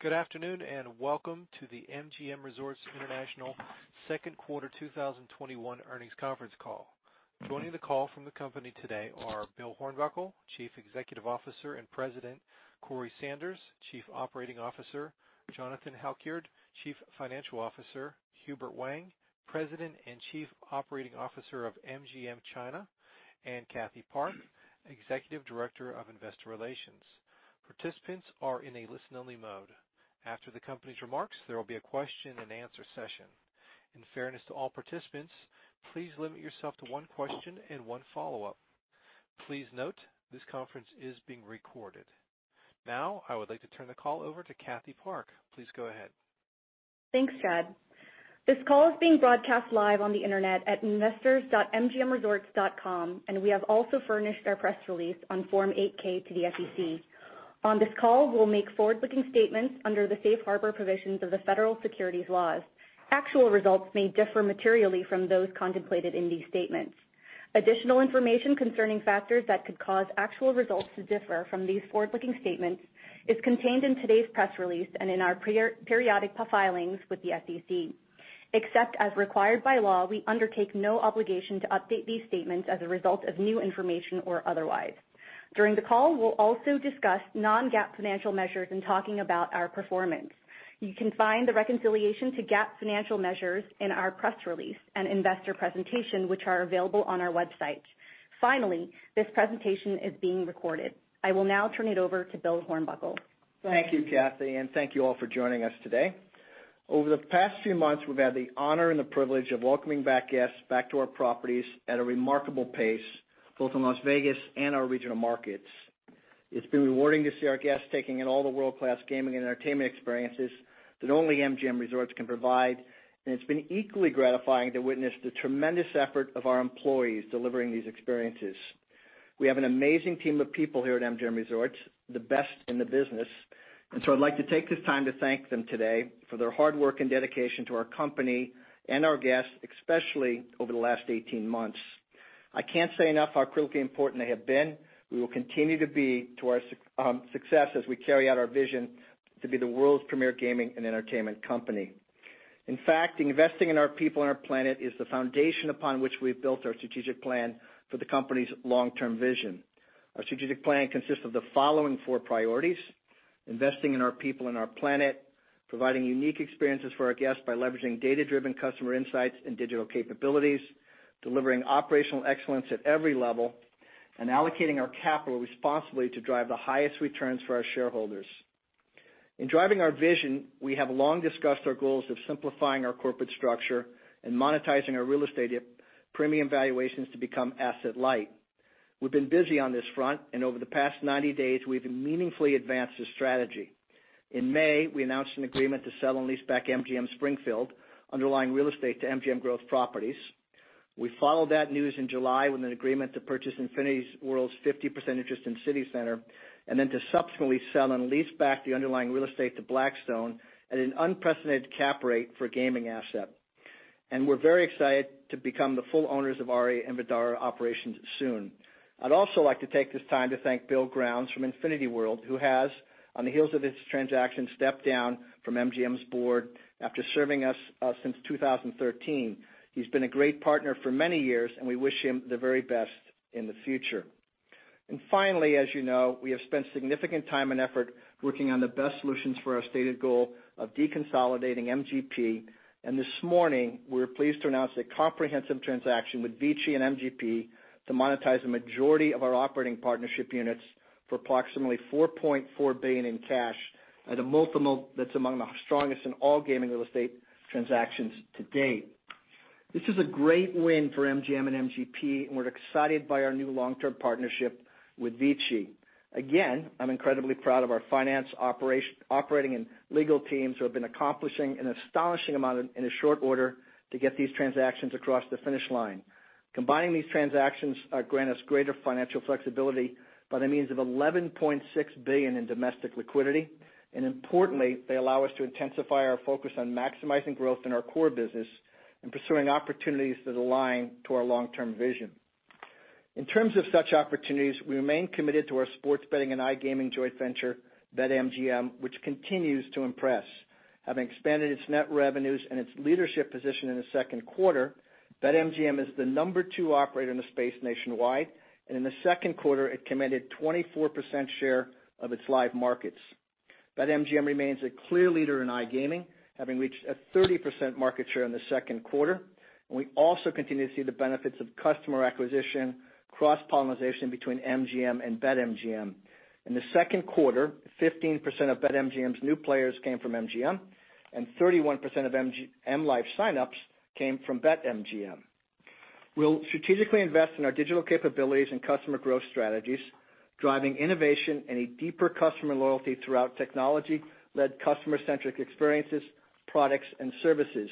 Good afternoon, welcome to the MGM Resorts International second quarter 2021 earnings conference call. Joining the call from the company today are Bill Hornbuckle, Chief Executive Officer and President, Corey Sanders, Chief Operating Officer, Jonathan Halkyard, Chief Financial Officer, Hubert Wang, President and Chief Operating Officer of MGM China, and Cathy Park, Executive Director of Investor Relations. Participants are in a listen-only mode. After the company's remarks, there will be a question and answer session. In fairness to all participants, please limit yourself to one question and one follow-up. Please note, this conference is being recorded. I would like to turn the call over to Cathy Park. Please go ahead. Thanks, Chad. This call is being broadcast live on the internet at investors.mgmresorts.com, and we have also furnished our press release on Form 8-K to the SEC. On this call, we'll make forward-looking statements under the safe harbor provisions of the Federal Securities Laws. Actual results may differ materially from those contemplated in these statements. Additional information concerning factors that could cause actual results to differ from these forward-looking statements is contained in today's press release and in our periodic filings with the SEC. Except as required by law, we undertake no obligation to update these statements as a result of new information or otherwise. During the call, we'll also discuss non-GAAP financial measures in talking about our performance. You can find the reconciliation to GAAP financial measures in our press release and investor presentation, which are available on our website. Finally, this presentation is being recorded. I will now turn it over to Bill Hornbuckle. Thank you, Cathy and thank you all for joining us today. Over the past few months, we've had the honor and the privilege of welcoming back guests back to our properties at a remarkable pace, both in Las Vegas and our regional markets. It's been rewarding to see our guests taking in all the world-class gaming and entertainment experiences that only MGM Resorts can provide, and it's been equally gratifying to witness the tremendous effort of our employees delivering these experiences. We have an amazing team of people here at MGM Resorts, the best in the business, and so I'd like to take this time to thank them today for their hard work and dedication to our company and our guests, especially over the last 18 months. I can't say enough how critically important they have been, will continue to be to our success as we carry out our vision to be the world's premier gaming and entertainment company. Investing in our people and our planet is the foundation upon which we've built our strategic plan for the company's long-term vision. Our strategic plan consists of the following four priorities: investing in our people and our planet, providing unique experiences for our guests by leveraging data-driven customer insights and digital capabilities, delivering operational excellence at every level, and allocating our capital responsibly to drive the highest returns for our shareholders. In driving our vision, we have long discussed our goals of simplifying our corporate structure and monetizing our real estate premium valuations to become asset light. We've been busy on this front, over the past 90 days, we've meaningfully advanced this strategy. In May, we announced an agreement to sell and lease back MGM Springfield underlying real estate to MGM Growth Properties. We followed that news in July with an agreement to purchase Infinity World's 50% interest in CityCenter, and then to subsequently sell and lease back the underlying real estate to Blackstone at an unprecedented cap rate for a gaming asset. We're very excited to become the full owners of Aria and Vdara operations soon. I'd also like to take this time to thank Bill Grounds from Infinity World, who has, on the heels of this transaction, stepped down from MGM's board after serving us since 2013. He's been a great partner for many years, and we wish him the very best in the future. Finally, as you know, we have spent significant time and effort working on the best solutions for our stated goal of deconsolidating MGP, and this morning, we were pleased to announce a comprehensive transaction with VICI and MGP to monetize the majority of our operating partnership units for approximately $4.4 billion in cash at a multiple that's among the strongest in all gaming real estate transactions to date. This is a great win for MGM and MGP, and we're excited by our new long-term partnership with VICI. I'm incredibly proud of our finance, operating, and legal teams who have been accomplishing an astonishing amount in a short order to get these transactions across the finish line. Combining these transactions grant us greater financial flexibility by the means of $11.6 billion in domestic liquidity, and importantly, they allow us to intensify our focus on maximizing growth in our core business and pursuing opportunities that align to our long-term vision. In terms of such opportunities, we remain committed to our sports betting and iGaming joint venture, BetMGM, which continues to impress. Having expanded its net revenues and its leadership position in the second quarter, BetMGM is the number two operator in the space nationwide, and in the second quarter, it commanded 24% share of its live markets. BetMGM remains a clear leader in iGaming, having reached a 30% market share in the second quarter, and we also continue to see the benefits of customer acquisition, cross-pollinization between MGM and BetMGM. In the second quarter, 15% of BetMGM's new players came from MGM. 31% of M life signups came from BetMGM. We'll strategically invest in our digital capabilities and customer growth strategies, driving innovation and a deeper customer loyalty throughout technology-led customer-centric experiences, products, and services.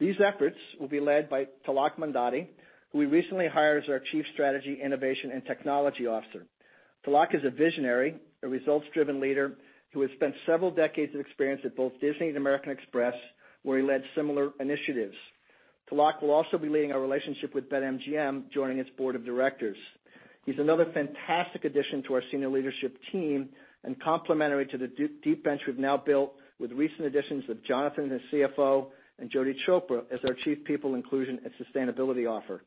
These efforts will be led by Tilak Mandadi, who we recently hired as our Chief Strategy, Innovation and Technology Officer. Tilak is a visionary, a results-driven leader who has spent several decades of experience at both Disney and American Express, where he led similar initiatives. Tilak will also be leading our relationship with BetMGM, joining its board of directors. He's another fantastic addition to our senior leadership team and complementary to the deep bench we've now built with recent additions of Jonathan, his CFO, and Jyoti Chopra as our Chief People, Inclusion and Sustainability Officer.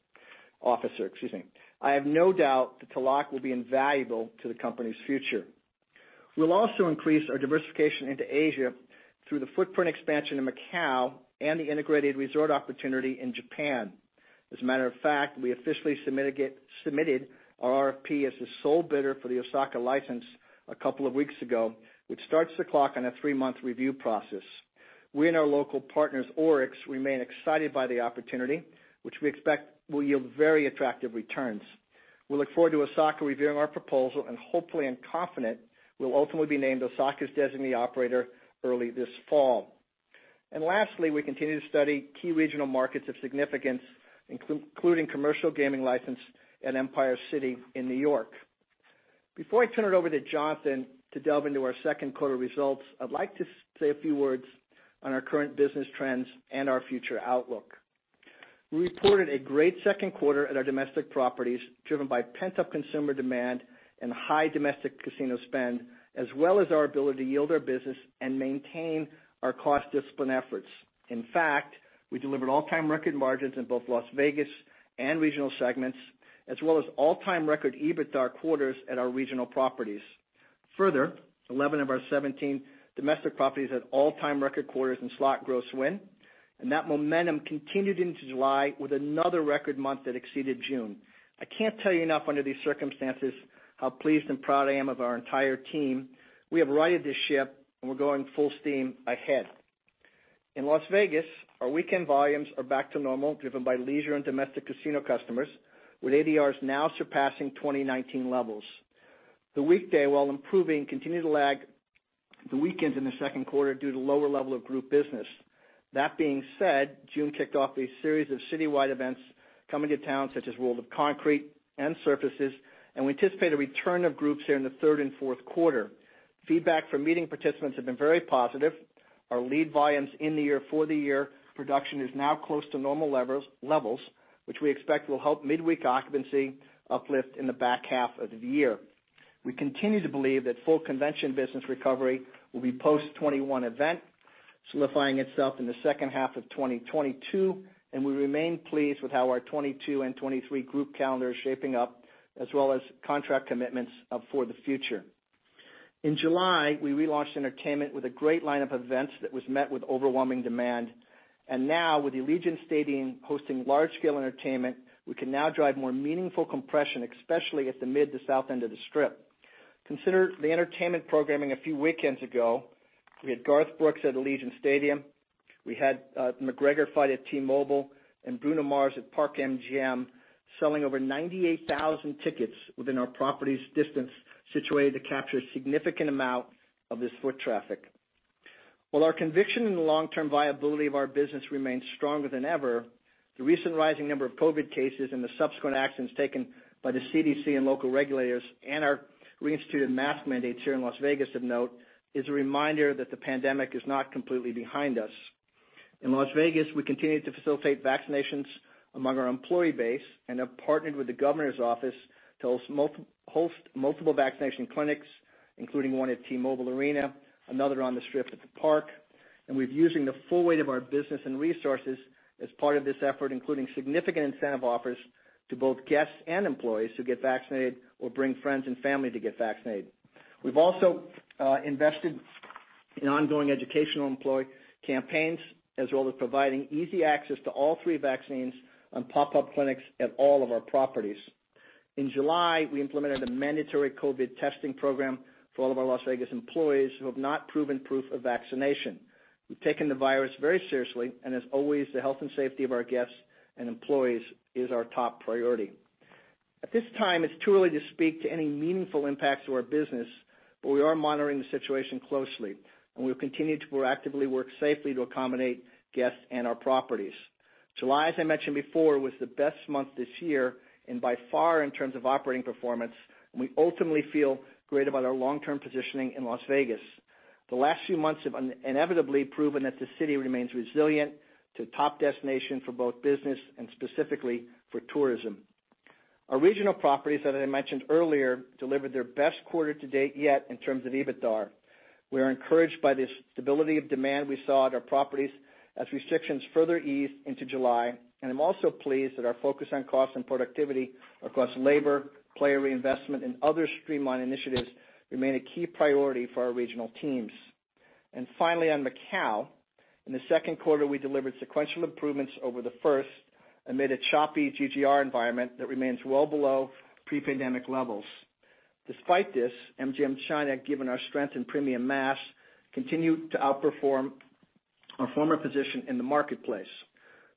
I have no doubt that Tilak will be invaluable to the company's future. We'll also increase our diversification into Asia through the footprint expansion in Macau and the integrated resort opportunity in Japan. As a matter of fact, we officially submitted our RFP as the sole bidder for the Osaka license a couple of weeks ago, which starts the clock on a three-month review process. We and our local partners, Orix Corporation, remain excited by the opportunity, which we expect will yield very attractive returns. We look forward to Osaka reviewing our proposal and hopefully and confident we'll ultimately be named Osaka's designee operator early this fall. Lastly, we continue to study key regional markets of significance, including commercial gaming license at Empire City Casino in New York. Before I turn it over to Jonathan to delve into our second quarter results, I'd like to say a few words on our current business trends and our future outlook. We reported a great second quarter at our domestic properties, driven by pent-up consumer demand and high domestic casino spend, as well as our ability to yield our business and maintain our cost discipline efforts. In fact, we delivered all-time record margins in both Las Vegas and regional segments, as well as all-time record EBITDA quarters at our regional properties. Further, 11 of our 17 domestic properties had all-time record quarters in slot gross win, and that momentum continued into July with another record month that exceeded June. I can't tell you enough under these circumstances how pleased and proud I am of our entire team. We have righted this ship, and we're going full steam ahead. In Las Vegas, our weekend volumes are back to normal, driven by leisure and domestic casino customers, with ADRs now surpassing 2019 levels. The weekday, while improving, continued to lag the weekends in the second quarter due to lower level of group business. That being said, June kicked off a series of citywide events coming to town, such as World of Concrete and Surfaces, and we anticipate a return of groups here in the third and fourth quarter. Feedback from meeting participants have been very positive. Our lead volumes in the year for the year production is now close to normal levels, which we expect will help midweek occupancy uplift in the back half of the year. We continue to believe that full convention business recovery will be post-2021 event, solidifying itself in the second half of 2022. We remain pleased with how our 2022 and 2023 group calendar is shaping up, as well as contract commitments up for the future. In July, we relaunched entertainment with a great lineup of events that was met with overwhelming demand. Now with Allegiant Stadium hosting large-scale entertainment, we can now drive more meaningful compression, especially at the mid to south end of the Strip. Consider the entertainment programming a few weekends ago. We had Garth Brooks at Allegiant Stadium. We had the McGregor fight at T-Mobile and Bruno Mars at Park MGM, selling over 98,000 tickets within our property's distance situated to capture a significant amount of this foot traffic. While our conviction in the long-term viability of our business remains stronger than ever, the recent rising number of COVID cases and the subsequent actions taken by the CDC and local regulators and our reinstituted mask mandates here in Las Vegas of note is a reminder that the pandemic is not completely behind us. In Las Vegas, we continue to facilitate vaccinations among our employee base and have partnered with the governor's office to host multiple vaccination clinics, including one at T-Mobile Arena, another on the Strip at The Park. We're using the full weight of our business and resources as part of this effort, including significant incentive offers to both guests and employees who get vaccinated or bring friends and family to get vaccinated. We've also invested in ongoing educational employee campaigns, as well as providing easy access to all three vaccines on pop-up clinics at all of our properties. In July, we implemented a mandatory COVID testing program for all of our Las Vegas employees who have not proven proof of vaccination. We've taken the virus very seriously, and as always, the health and safety of our guests and employees is our top priority. At this time, it's too early to speak to any meaningful impacts to our business, but we are monitoring the situation closely, and we'll continue to proactively work safely to accommodate guests and our properties. July, as I mentioned before, was the best month this year and by far in terms of operating performance, and we ultimately feel great about our long-term positioning in Las Vegas. The last few months have inevitably proven that the city remains resilient to top destination for both business and specifically for tourism. Our regional properties that I mentioned earlier delivered their best quarter to date yet in terms of EBITDA. We are encouraged by the stability of demand we saw at our properties as restrictions further eased into July. I'm also pleased that our focus on cost and productivity across labor, player reinvestment, and other streamlined initiatives remain a key priority for our regional teams. Finally, on Macau, in the second quarter, we delivered sequential improvements over the first amid a choppy GGR environment that remains well below pre-pandemic levels. Despite this, MGM China, given our strength in premium mass, continued to outperform our former position in the marketplace.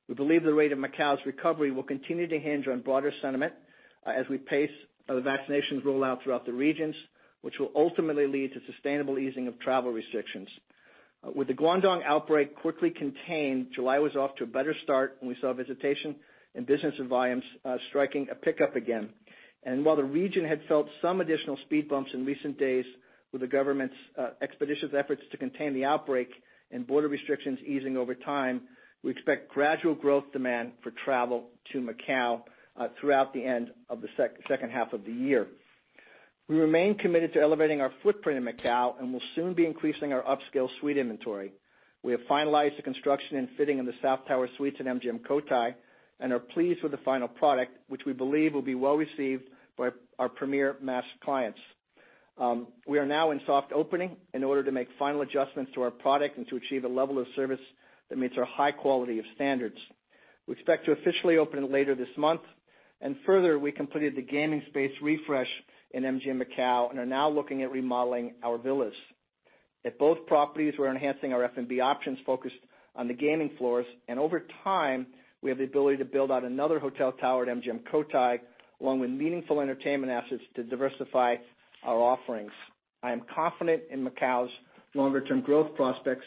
We believe the rate of Macau's recovery will continue to hinge on broader sentiment as we pace the vaccinations rollout throughout the regions, which will ultimately lead to sustainable easing of travel restrictions. With the Guangdong outbreak quickly contained, July was off to a better start, we saw visitation and business volumes striking a pickup again. While the region had felt some additional speed bumps in recent days with the government's expeditious efforts to contain the outbreak and border restrictions easing over time, we expect gradual growth demand for travel to Macau throughout the end of the second half of the year. We remain committed to elevating our footprint in Macau and will soon be increasing our upscale suite inventory. We have finalized the construction and fitting of the South Tower Suites at MGM Cotai and are pleased with the final product, which we believe will be well received by our premier mass clients. We are now in soft opening in order to make final adjustments to our product and to achieve a level of service that meets our high quality of standards. Further, we completed the gaming space refresh in MGM Macau and are now looking at remodeling our villas. At both properties, we're enhancing our F&B options focused on the gaming floors. Over time, we have the ability to build out another hotel tower at MGM Cotai, along with meaningful entertainment assets to diversify our offerings. I am confident in Macau's longer-term growth prospects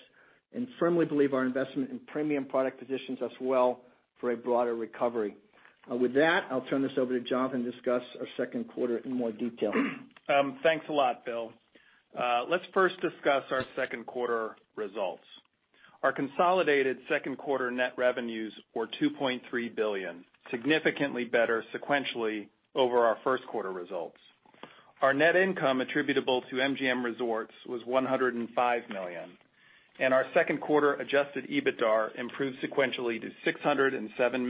and firmly believe our investment in premium product positions us well for a broader recovery. With that, I'll turn this over to Jonathan to discuss our second quarter in more detail. Thanks a lot, Bill. Let's first discuss our second quarter results. Our consolidated second quarter net revenues were $2.3 billion, significantly better sequentially over our first quarter results. Our net income attributable to MGM Resorts was $105 million, and our second quarter adjusted EBITDAR improved sequentially to $617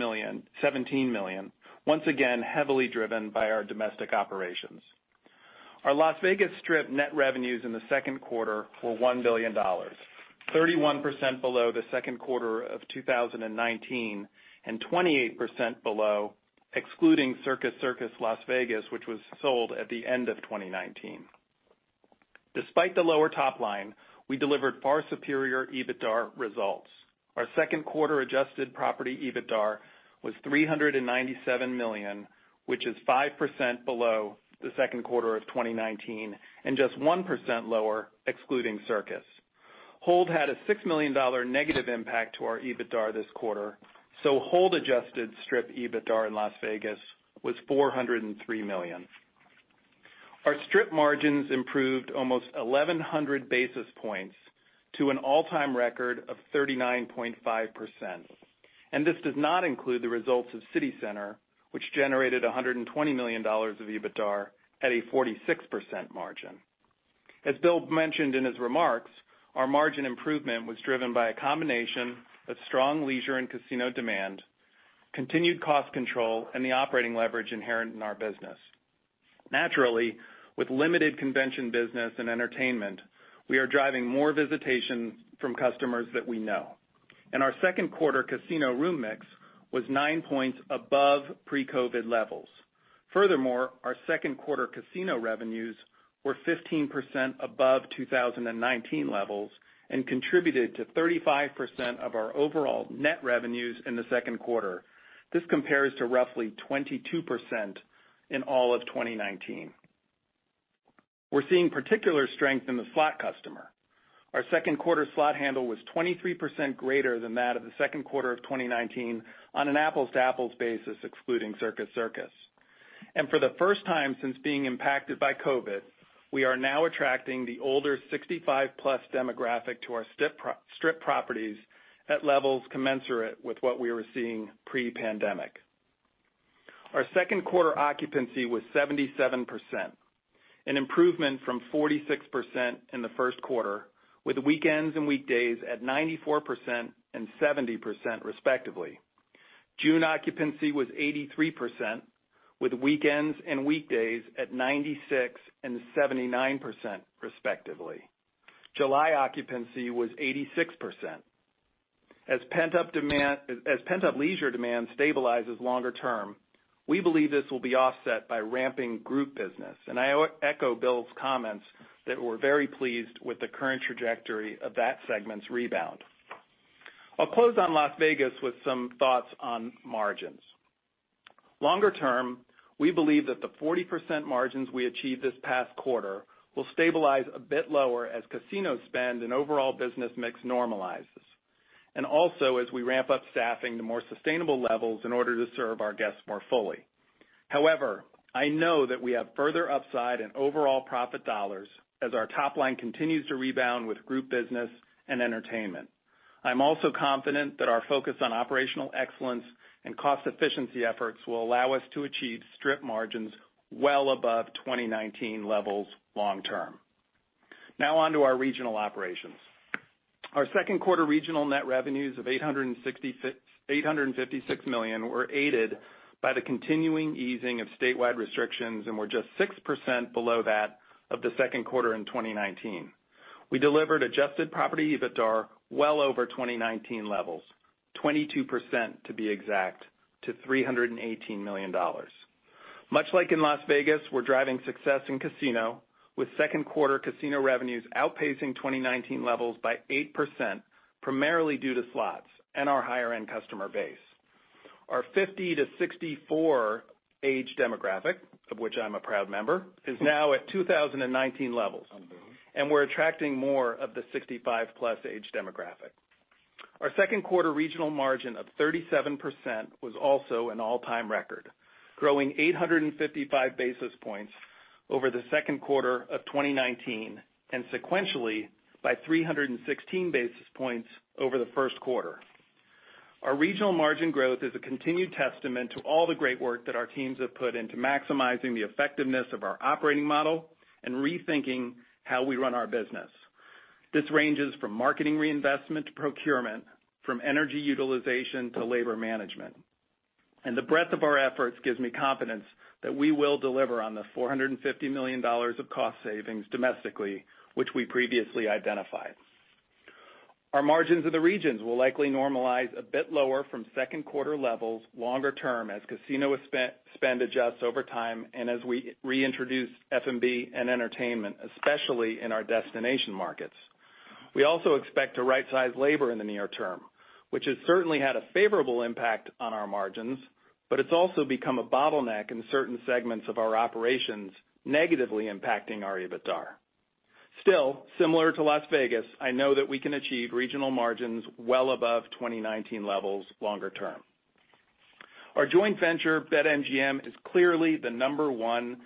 million, once again, heavily driven by our domestic operations. Our Las Vegas Strip net revenues in the second quarter were $1 billion, 31% below the second quarter of 2019 and 28% below excluding Circus Circus Las Vegas, which was sold at the end of 2019. Despite the lower top line, we delivered far superior EBITDAR results. Our second quarter adjusted property EBITDAR was $397 million, which is 5% below the second quarter of 2019 and just 1% lower excluding Circus. Hold had a $6 million negative impact to our EBITDAR this quarter. Hold adjusted Strip EBITDAR in Las Vegas was $403 million. Our Strip margins improved almost 1,100 basis points to an all-time record of 39.5%. This does not include the results of CityCenter, which generated $120 million of EBITDAR at a 46% margin. As Bill mentioned in his remarks, our margin improvement was driven by a combination of strong leisure and casino demand, continued cost control, and the operating leverage inherent in our business. Naturally, with limited convention business and entertainment, we are driving more visitation from customers that we know. Our second quarter casino room mix was nine points above pre-COVID levels. Furthermore, our second quarter casino revenues were 15% above 2019 levels and contributed to 35% of our overall net revenues in the second quarter. This compares to roughly 22% in all of 2019. We're seeing particular strength in the slot customer. Our second quarter slot handle was 23% greater than that of the second quarter of 2019 on an apples-to-apples basis, excluding Circus Circus. For the first time since being impacted by COVID, we are now attracting the older 65+ demographic to our Strip properties at levels commensurate with what we were seeing pre-pandemic. Our second quarter occupancy was 77%, an improvement from 46% in the first quarter, with weekends and weekdays at 94% and 70%, respectively. June occupancy was 83%, with weekends and weekdays at 96% and 79%, respectively. July occupancy was 86%. As pent-up leisure demand stabilizes longer term, we believe this will be offset by ramping group business. I echo Bill's comments that we're very pleased with the current trajectory of that segment's rebound. I'll close on Las Vegas with some thoughts on margins. Longer term, we believe that the 40% margins we achieved this past quarter will stabilize a bit lower as casino spend and overall business mix normalizes, and also as we ramp up staffing to more sustainable levels in order to serve our guests more fully. However, I know that we have further upside in overall profit dollars as our top line continues to rebound with group business and entertainment. I'm also confident that our focus on operational excellence and cost efficiency efforts will allow us to achieve Strip margins well above 2019 levels long term. Now on to our regional operations. Our second quarter regional net revenues of $856 million were aided by the continuing easing of statewide restrictions and were just 6% below that of the second quarter in 2019. We delivered adjusted property EBITDAR well over 2019 levels, 22% to be exact, to $318 million. Much like in Las Vegas, we're driving success in casino with second quarter casino revenues outpacing 2019 levels by 8%, primarily due to slots and our higher-end customer base. Our 50-64 age demographic, of which I'm a proud member, is now at 2019 levels. We're attracting more of the 65+ age demographic. Our second quarter regional margin of 37% was also an all-time record, growing 855 basis points over the second quarter of 2019, and sequentially by 316 basis points over the first quarter. Our regional margin growth is a continued testament to all the great work that our teams have put into maximizing the effectiveness of our operating model and rethinking how we run our business. This ranges from marketing reinvestment to procurement, from energy utilization to labor management, and the breadth of our efforts gives me confidence that we will deliver on the $450 million of cost savings domestically, which we previously identified. Our margins in the regions will likely normalize a bit lower from second quarter levels longer term as casino spend adjusts over time and as we reintroduce F&B and entertainment, especially in our destination markets. We also expect to right-size labor in the near term, which has certainly had a favorable impact on our margins, but it's also become a bottleneck in certain segments of our operations, negatively impacting our EBITDA. Still, similar to Las Vegas, I know that we can achieve regional margins well above 2019 levels longer term. Our joint venture, BetMGM, is clearly the number one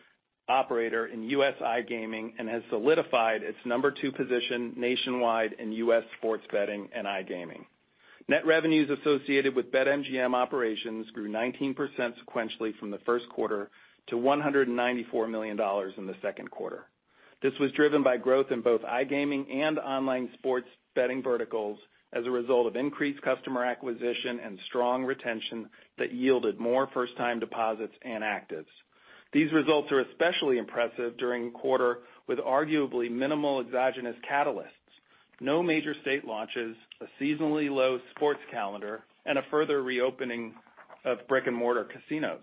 operator in U.S. iGaming and has solidified its number two position nationwide in U.S. sports betting and iGaming. Net revenues associated with BetMGM operations grew 19% sequentially from the first quarter to $194 million in the second quarter. This was driven by growth in both iGaming and online sports betting verticals as a result of increased customer acquisition and strong retention that yielded more first-time deposits and actives. These results are especially impressive during a quarter with arguably minimal exogenous catalysts, no major state launches, a seasonally low sports calendar, and a further reopening of brick-and-mortar casinos.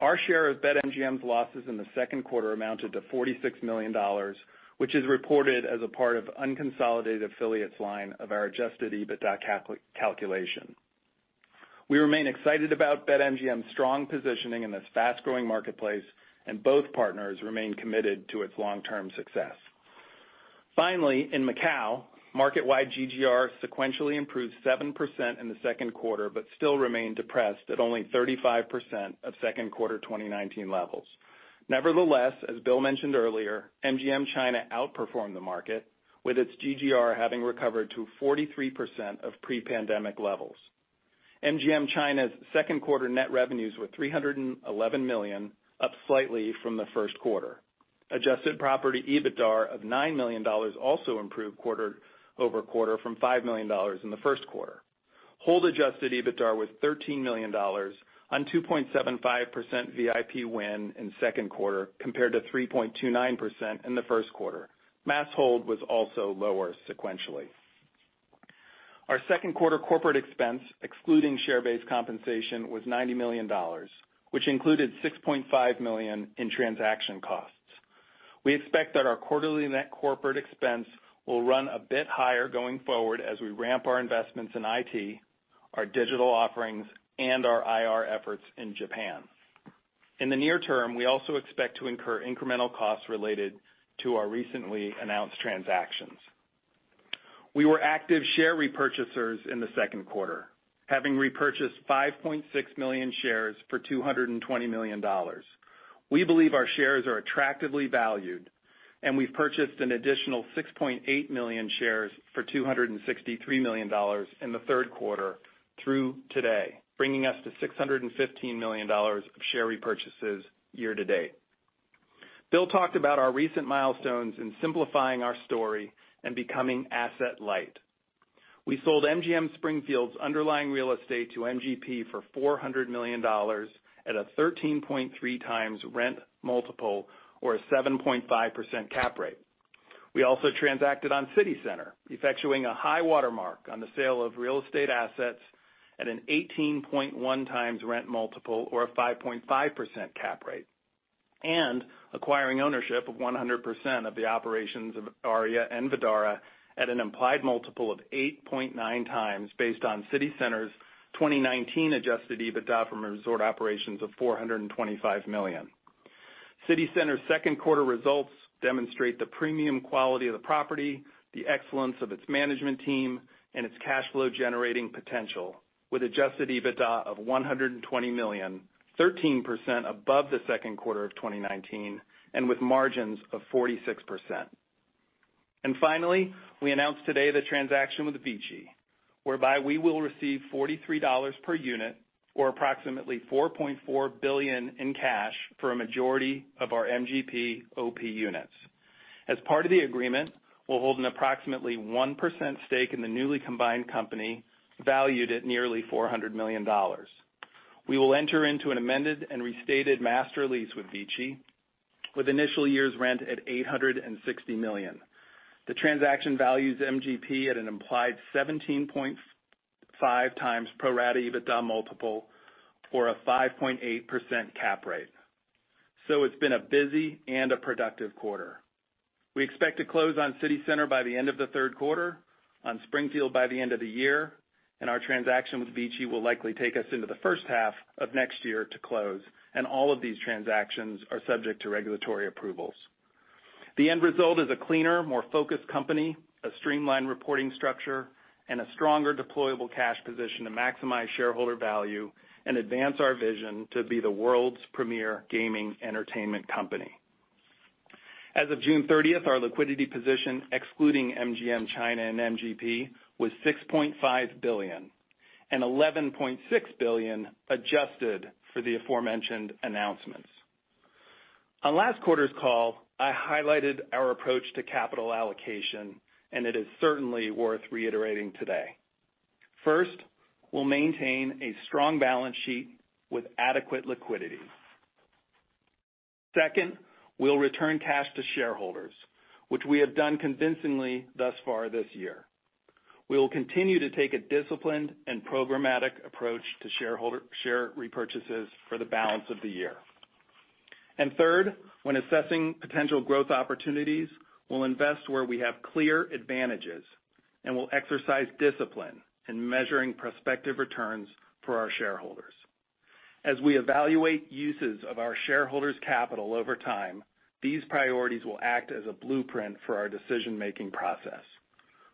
Our share of BetMGM's losses in the second quarter amounted to $46 million, which is reported as a part of unconsolidated affiliates line of our adjusted EBITDA calculation. Both partners remain committed to its long-term success. Finally, in Macau, market-wide GGR sequentially improved 7% in the second quarter, still remained depressed at only 35% of second quarter 2019 levels. Nevertheless, as Bill mentioned earlier, MGM China outperformed the market, with its GGR having recovered to 43% of pre-pandemic levels. MGM China's second quarter net revenues were $311 million, up slightly from the first quarter. Adjusted property EBITDA of $9 million also improved quarter-over-quarter from $5 million in the first quarter. Hold adjusted EBITDA was $13 million on 2.75% VIP win in the second quarter compared to 3.29% in the first quarter. Mass hold was also lower sequentially. Our second quarter corporate expense, excluding share-based compensation, was $90 million, which included $6.5 million in transaction costs. We expect that our quarterly net corporate expense will run a bit higher going forward as we ramp our investments in IT, our digital offerings, and our IR efforts in Japan. In the near term, we also expect to incur incremental costs related to our recently announced transactions. We were active share repurchasers in the second quarter, having repurchased 5.6 million shares for $220 million. We believe our shares are attractively valued, and we've purchased an additional 6.8 million shares for $263 million in the third quarter through today, bringing us to $615 million of share repurchases year to date. Bill talked about our recent milestones in simplifying our story and becoming asset light. We sold MGM Springfield's underlying real estate to MGP for $400 million at a 13.3x rent multiple or a 7.5% cap rate. We also transacted on CityCenter, effectuating a high watermark on the sale of real estate assets at an 18.1x rent multiple or a 5.5% cap rate, and acquiring ownership of 100% of the operations of Aria and Vdara at an implied multiple of 8.9x based on CityCenter's 2019 adjusted EBITDA from resort operations of $425 million. CityCenter's second quarter results demonstrate the premium quality of the property, the excellence of its management team, and its cash flow generating potential with adjusted EBITDA of $120 million, 13% above the second quarter of 2019, and with margins of 46%. Finally, we announced today the transaction with VICI, whereby we will receive $43 per unit or approximately $4.4 billion in cash for a majority of our MGP OP Units. As part of the agreement, we'll hold an approximately 1% stake in the newly combined company, valued at nearly $400 million. We will enter into an amended and restated master lease with VICI, with initial year's rent at $860 million. The transaction values MGP at an implied 17.5x pro rata EBITDA multiple or a 5.8% cap rate. It's been a busy and a productive quarter. We expect to close on CityCenter by the end of the third quarter, on Springfield by the end of the year, and our transaction with VICI will likely take us into the first half of next year to close and all of these transactions are subject to regulatory approvals. The end result is a cleaner, more focused company, a streamlined reporting structure, and a stronger deployable cash position to maximize shareholder value and advance our vision to be the world's premier gaming entertainment company. As of June 30th, our liquidity position, excluding MGM China and MGP, was $6.5 billion and $11.6 billion adjusted for the aforementioned announcements. On last quarter's call, I highlighted our approach to capital allocation, and it is certainly worth reiterating today. First, we'll maintain a strong balance sheet with adequate liquidity. Second, we'll return cash to shareholders, which we have done convincingly thus far this year. We will continue to take a disciplined and programmatic approach to share repurchases for the balance of the year. Third, when assessing potential growth opportunities, we'll invest where we have clear advantages, and we'll exercise discipline in measuring prospective returns for our shareholders. As we evaluate uses of our shareholders' capital over time, these priorities will act as a blueprint for our decision-making process.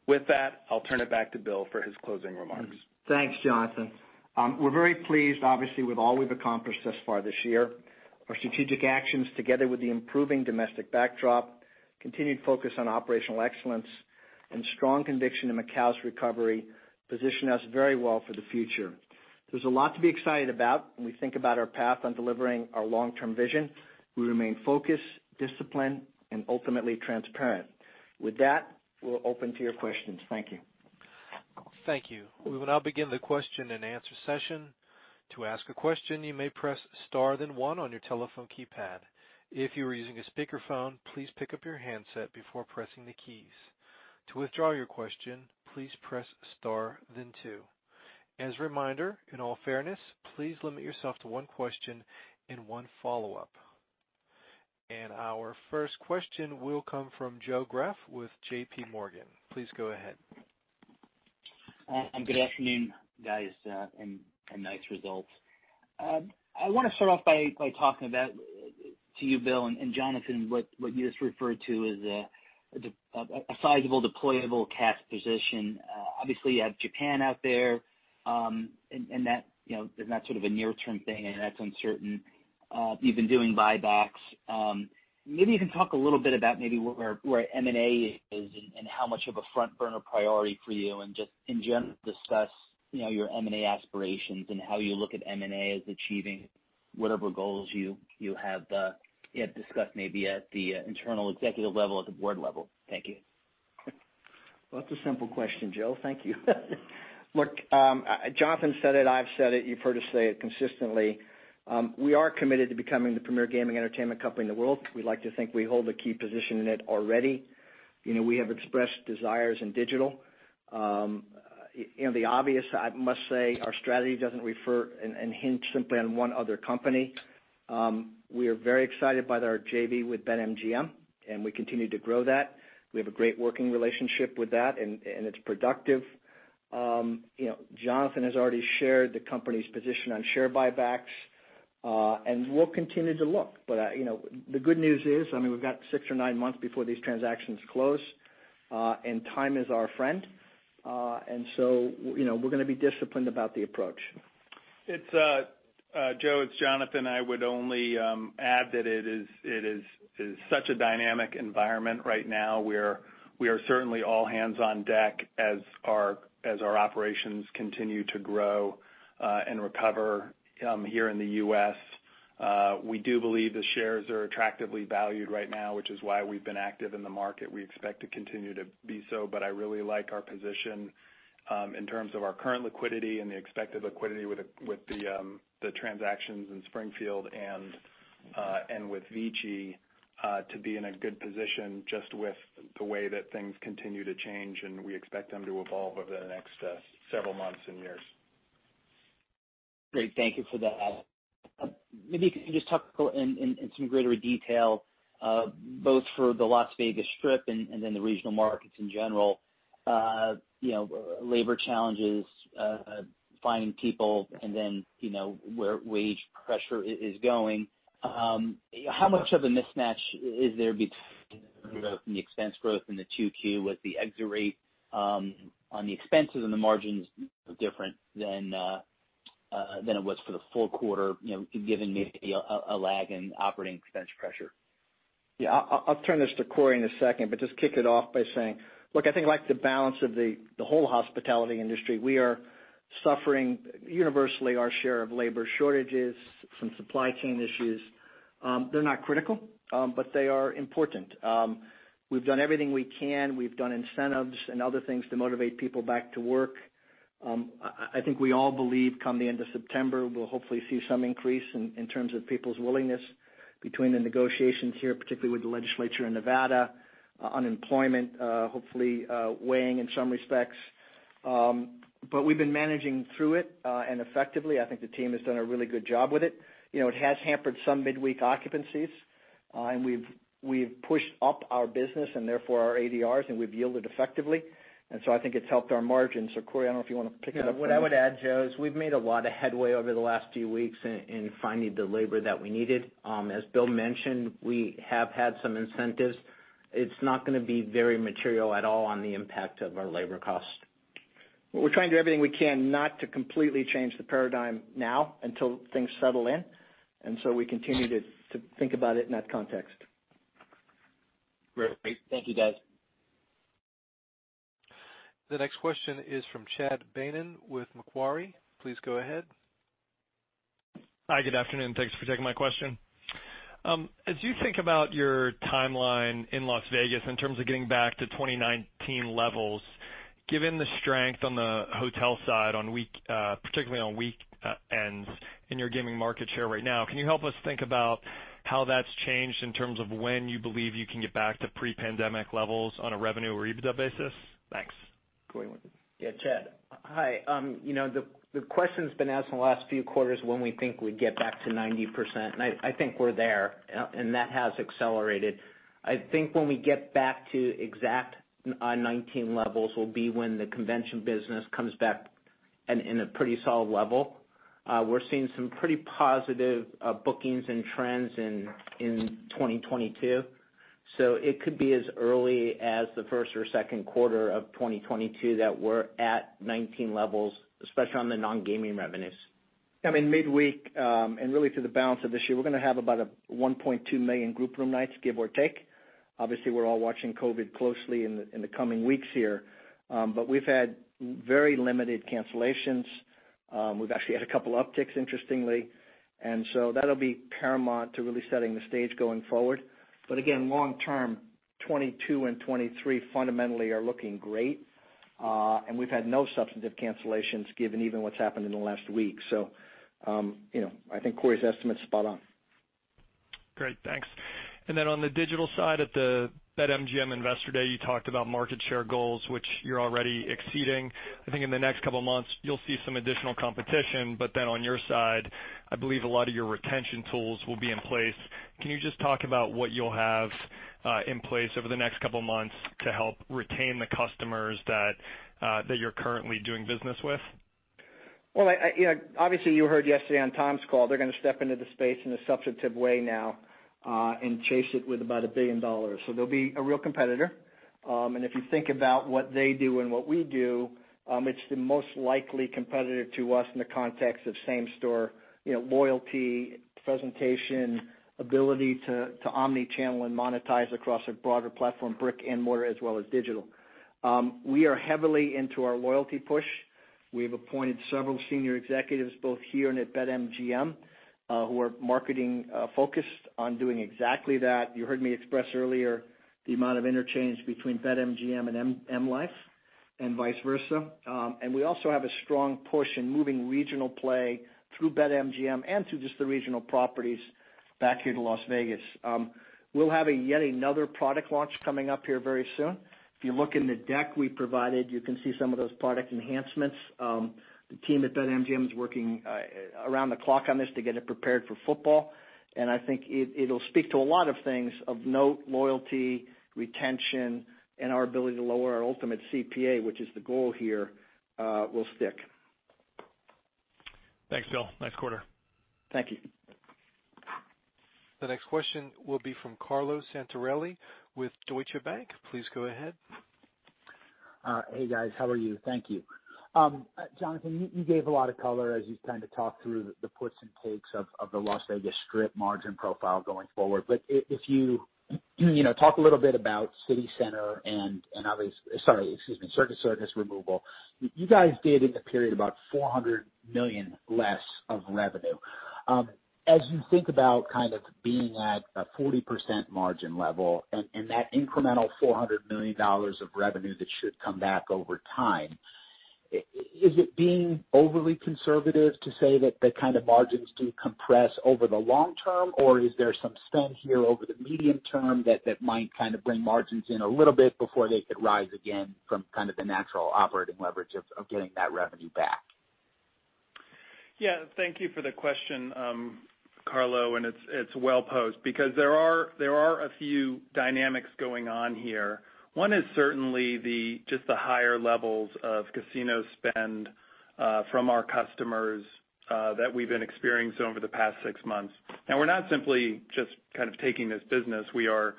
With that, I'll turn it back to Bill for his closing remarks. Thanks, Jonathan. We're very pleased, obviously, with all we've accomplished thus far this year. Our strategic actions, together with the improving domestic backdrop, continued focus on operational excellence, and strong conviction in Macau's recovery, position us very well for the future. There's a lot to be excited about when we think about our path on delivering our long-term vision. We remain focused, disciplined, and ultimately transparent. With that, we'll open to your questions. Thank you. Thank you. We will now begin the question-and-answer session. As a reminder, in all fairness, please limit yourself to one question and one follow-up. Our first question will come from Joe Greff with JPMorgan. Please go ahead. Good afternoon, guys, and nice results. I want to start off by talking about, to you, Bill and Jonathan, what you just referred to as a sizable deployable cash position. Obviously, you have Japan out there, and that is not sort of a near-term thing, and that's uncertain. You've been doing buybacks. Maybe you can talk a little bit about maybe where M&A is and how much of a front-burner priority for you, and just in general discuss your M&A aspirations and how you look at M&A as achieving whatever goals you have yet discussed, maybe at the internal executive level, at the board level. Thank you. Well, that's a simple question, Joe. Thank you. Look, Jonathan said it, I've said it, you've heard us say it consistently. We are committed to becoming the premier gaming entertainment company in the world. We'd like to think we hold a key position in it already. We have expressed desires in digital. The obvious, I must say, our strategy doesn't refer and hinge simply on one other company. We are very excited by our JV with BetMGM, and we continue to grow that. We have a great working relationship with that, and it's productive. Jonathan has already shared the company's position on share buybacks, and we'll continue to look. The good news is, we've got six or nine months before these transactions close, and time is our friend. We're going to be disciplined about the approach. Joe Greff, it's Jonathan Halkyard. I would only add that it is such a dynamic environment right now, where we are certainly all hands on deck as our operations continue to grow and recover here in the U.S. We do believe the shares are attractively valued right now, which is why we've been active in the market. We expect to continue to be so, but I really like our position in terms of our current liquidity and the expected liquidity with the transactions in MGM Springfield and with VICI Properties to be in a good position just with the way that things continue to change, and we expect them to evolve over the next several months and years. Great. Thank you for that. Maybe you could just talk in some greater detail both for the Las Vegas Strip and then the regional markets in general, labor challenges, finding people, and then where wage pressure is going. How much of a mismatch is there between the expense growth in the 2Q with the exit rate on the expenses and the margins different than it was for the full quarter, given maybe a lag in operating expense pressure? I'll turn this to Corey in a second, but just kick it off by saying, look, I think the balance of the whole hospitality industry, we are suffering universally our share of labor shortages, some supply chain issues. They're not critical, but they are important. We've done everything we can. We've done incentives and other things to motivate people back to work. I think we all believe come the end of September, we'll hopefully see some increase in terms of people's willingness between the negotiations here, particularly with the legislature in Nevada, unemployment hopefully weighing in some respects. We've been managing through it, and effectively. I think the team has done a really good job with it. It has hampered some midweek occupancies, and we've pushed up our business and therefore our ADR, and we've yielded effectively. I think it's helped our margins. Corey, I don't know if you want to pick it up from there. What I would add, Joe, is we've made a lot of headway over the last few weeks in finding the labor that we needed. As Bill mentioned, we have had some incentives. It's not going to be very material at all on the impact of our labor cost. Well, we're trying to do everything we can not to completely change the paradigm now until things settle in, and so we continue to think about it in that context. Great. Thank you, guys. The next question is from Chad Beynon with Macquarie. Please go ahead. Hi, good afternoon. Thanks for taking my question. As you think about your timeline in Las Vegas in terms of getting back to 2019 levels, given the strength on the hotel side, particularly on weekends in your gaming market share right now, can you help us think about how that's changed in terms of when you believe you can get back to pre-pandemic levels on a revenue or EBITDA basis? Thanks. Corey? Yeah, Chad. Hi. The question's been asked in the last few quarters when we think we'd get back to 90%, and I think we're there, and that has accelerated. I think when we get back to exact 2019 levels will be when the convention business comes back and in a pretty solid level. We're seeing some pretty positive bookings and trends in 2022, so it could be as early as the first or second quarter of 2022 that we're at 2019 levels, especially on the non-gaming revenues. I mean, midweek, and really through the balance of this year, we're going to have about a 1.2 million group room nights, give or take. Obviously, we're all watching COVID closely in the coming weeks here. We've had very limited cancellations. We've actually had a couple upticks, interestingly. That'll be paramount to really setting the stage going forward. Again, long term, 2022 and 2023 fundamentally are looking great. We've had no substantive cancellations given even what's happened in the last week. I think Corey's estimate's spot on. Great, thanks. On the digital side, at the BetMGM Investor Day, you talked about market share goals, which you're already exceeding. I think in the next couple of months, you'll see some additional competition. On your side, I believe a lot of your retention tools will be in place. Can you just talk about what you'll have in place over the next couple of months to help retain the customers that you're currently doing business with? Obviously you heard yesterday on Tom's call, they're going to step into the space in a substantive way now, and chase it with about $1 billion. They'll be a real competitor. If you think about what they do and what we do, it's the most likely competitor to us in the context of same store loyalty, presentation, ability to omni-channel and monetize across a broader platform, brick and mortar, as well as digital. We are heavily into our loyalty push. We've appointed several senior executives both here and at BetMGM, who are marketing focused on doing exactly that. You heard me express earlier the amount of interchange between BetMGM and M life and vice versa. We also have a strong push in moving regional play through BetMGM and through just the regional properties back here to Las Vegas. We'll have yet another product launch coming up here very soon. If you look in the deck we provided, you can see some of those product enhancements. The team at BetMGM is working around the clock on this to get it prepared for football, and I think it'll speak to a lot of things of note, loyalty, retention, and our ability to lower our ultimate CPA, which is the goal here, will stick. Thanks, Bill. Nice quarter. Thank you. The next question will be from Carlo Santarelli with Deutsche Bank. Please go ahead. Hey, guys. How are you? Thank you. Jonathan, you gave a lot of color as you kind of talked through the puts and takes of the Las Vegas Strip margin profile going forward. If you talk a little bit about CityCenter, Circus Circus Las Vegas removal. You guys did, in the period, about $400 million less of revenue. As you think about kind of being at a 40% margin level and that incremental $400 million of revenue that should come back over time, is it being overly conservative to say that the kind of margins do compress over the long term, or is there some spend here over the medium term that might kind of bring margins in a little bit before they could rise again from kind of the natural operating leverage of getting that revenue back? Thank you for the question, Carlo. It's well-posed because there are a few dynamics going on here. One is certainly just the higher levels of casino spend from our customers that we've been experiencing over the past six months. We're not simply just kind of taking this business. We are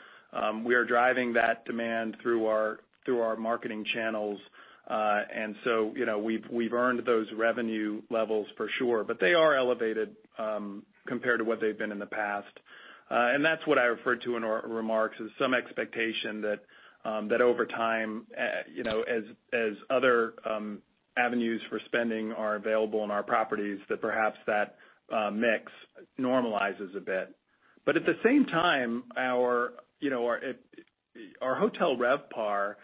driving that demand through our marketing channels. We've earned those revenue levels for sure. They are elevated compared to what they've been in the past. That's what I referred to in our remarks as some expectation that over time, as other avenues for spending are available in our properties, that perhaps that mix normalizes a bit. At the same time, our hotel RevPAR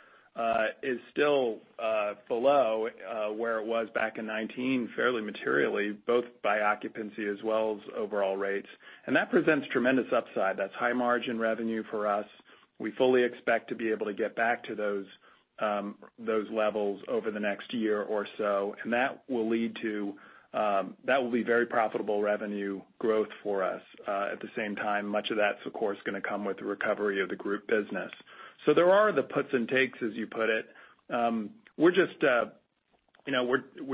is still below where it was back in 2019, fairly materially, both by occupancy as well as overall rates. That presents tremendous upside. That's high margin revenue for us. We fully expect to be able to get back to those levels over the next year or so, and that will be very profitable revenue growth for us. At the same time, much of that's, of course, going to come with the recovery of the group business. There are the puts and takes, as you put it. We're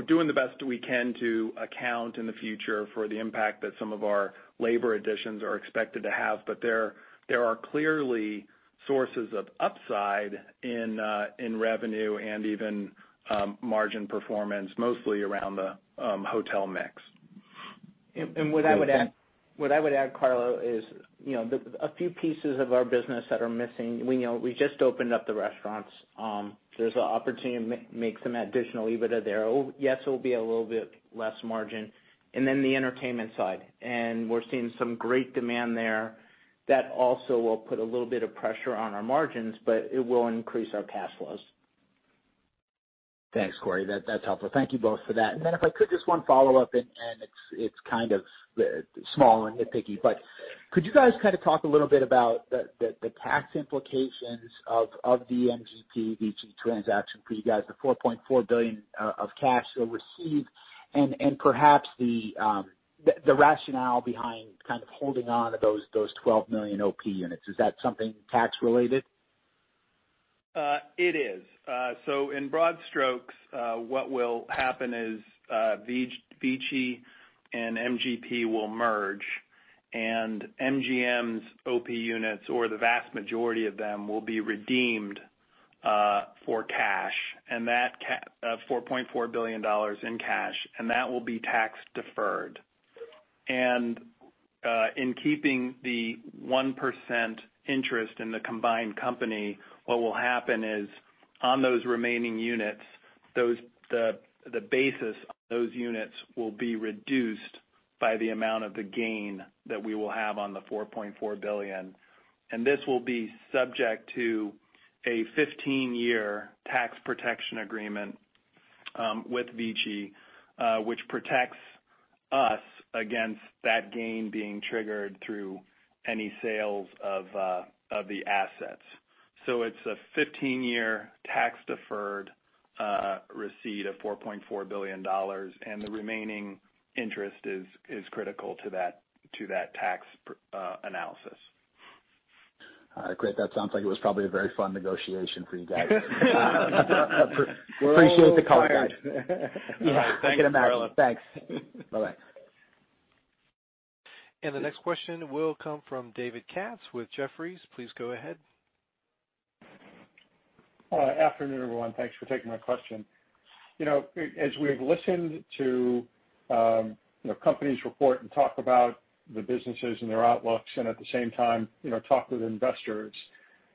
doing the best we can to account in the future for the impact that some of our labor additions are expected to have. There are clearly sources of upside in revenue and even margin performance, mostly around the hotel mix. What I would add, Carlo, is a few pieces of our business that are missing. We just opened up the restaurants. There's an opportunity to make some additional EBITDA there. Yes, it will be a little bit less margin. Then the entertainment side. We're seeing some great demand there that also will put a little bit of pressure on our margins, but it will increase our cash flows. Thanks, Corey. That's helpful. Thank you both for that. If I could, just one follow-up, and it's kind of small and nitpicky, but could you guys kind of talk a little bit about the tax implications of the MGP, VICI transaction for you guys, the $4.4 billion of cash you'll receive and perhaps the rationale behind kind of holding on to those 12 million OP units? Is that something tax related? It is. In broad strokes, what will happen is VICI and MGP will merge and MGM's OP Units, or the vast majority of them, will be redeemed for cash, $4.4 billion in cash, and that will be tax deferred. In keeping the 1% interest in the combined company, what will happen is on those remaining units, the basis on those units will be reduced by the amount of the gain that we will have on the $4.4 billion. This will be subject to a 15-year tax protection agreement with VICI, which protects us against that gain being triggered through any sales of the assets. It's a 15-year tax deferred receipt of $4.4 billion, and the remaining interest is critical to that tax analysis. All right, great. That sounds like it was probably a very fun negotiation for you guys. Appreciate the color, guys. We're all fired. Yeah, I can imagine. Thanks. Bye-bye. The next question will come from David Katz with Jefferies. Please go ahead. Hello. Afternoon, everyone. Thanks for taking my question. As we've listened to companies report and talk about the businesses and their outlooks and at the same time talk with investors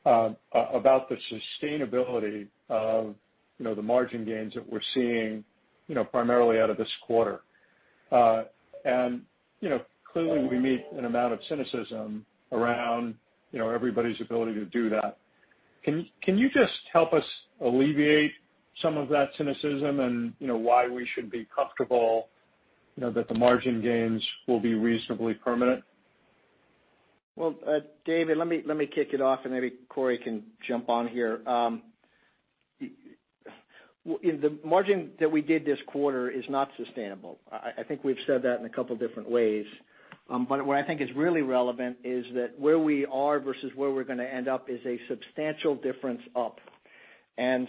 about the sustainability of the margin gains that we're seeing primarily out of this quarter. Clearly we meet an amount of cynicism around everybody's ability to do that. Can you just help us alleviate some of that cynicism and why we should be comfortable that the margin gains will be reasonably permanent? Well, David, let me kick it off and maybe Corey can jump on here. The margin that we did this quarter is not sustainable. I think we've said that in a couple different ways. What I think is really relevant is that where we are versus where we're going to end up is a substantial difference up. As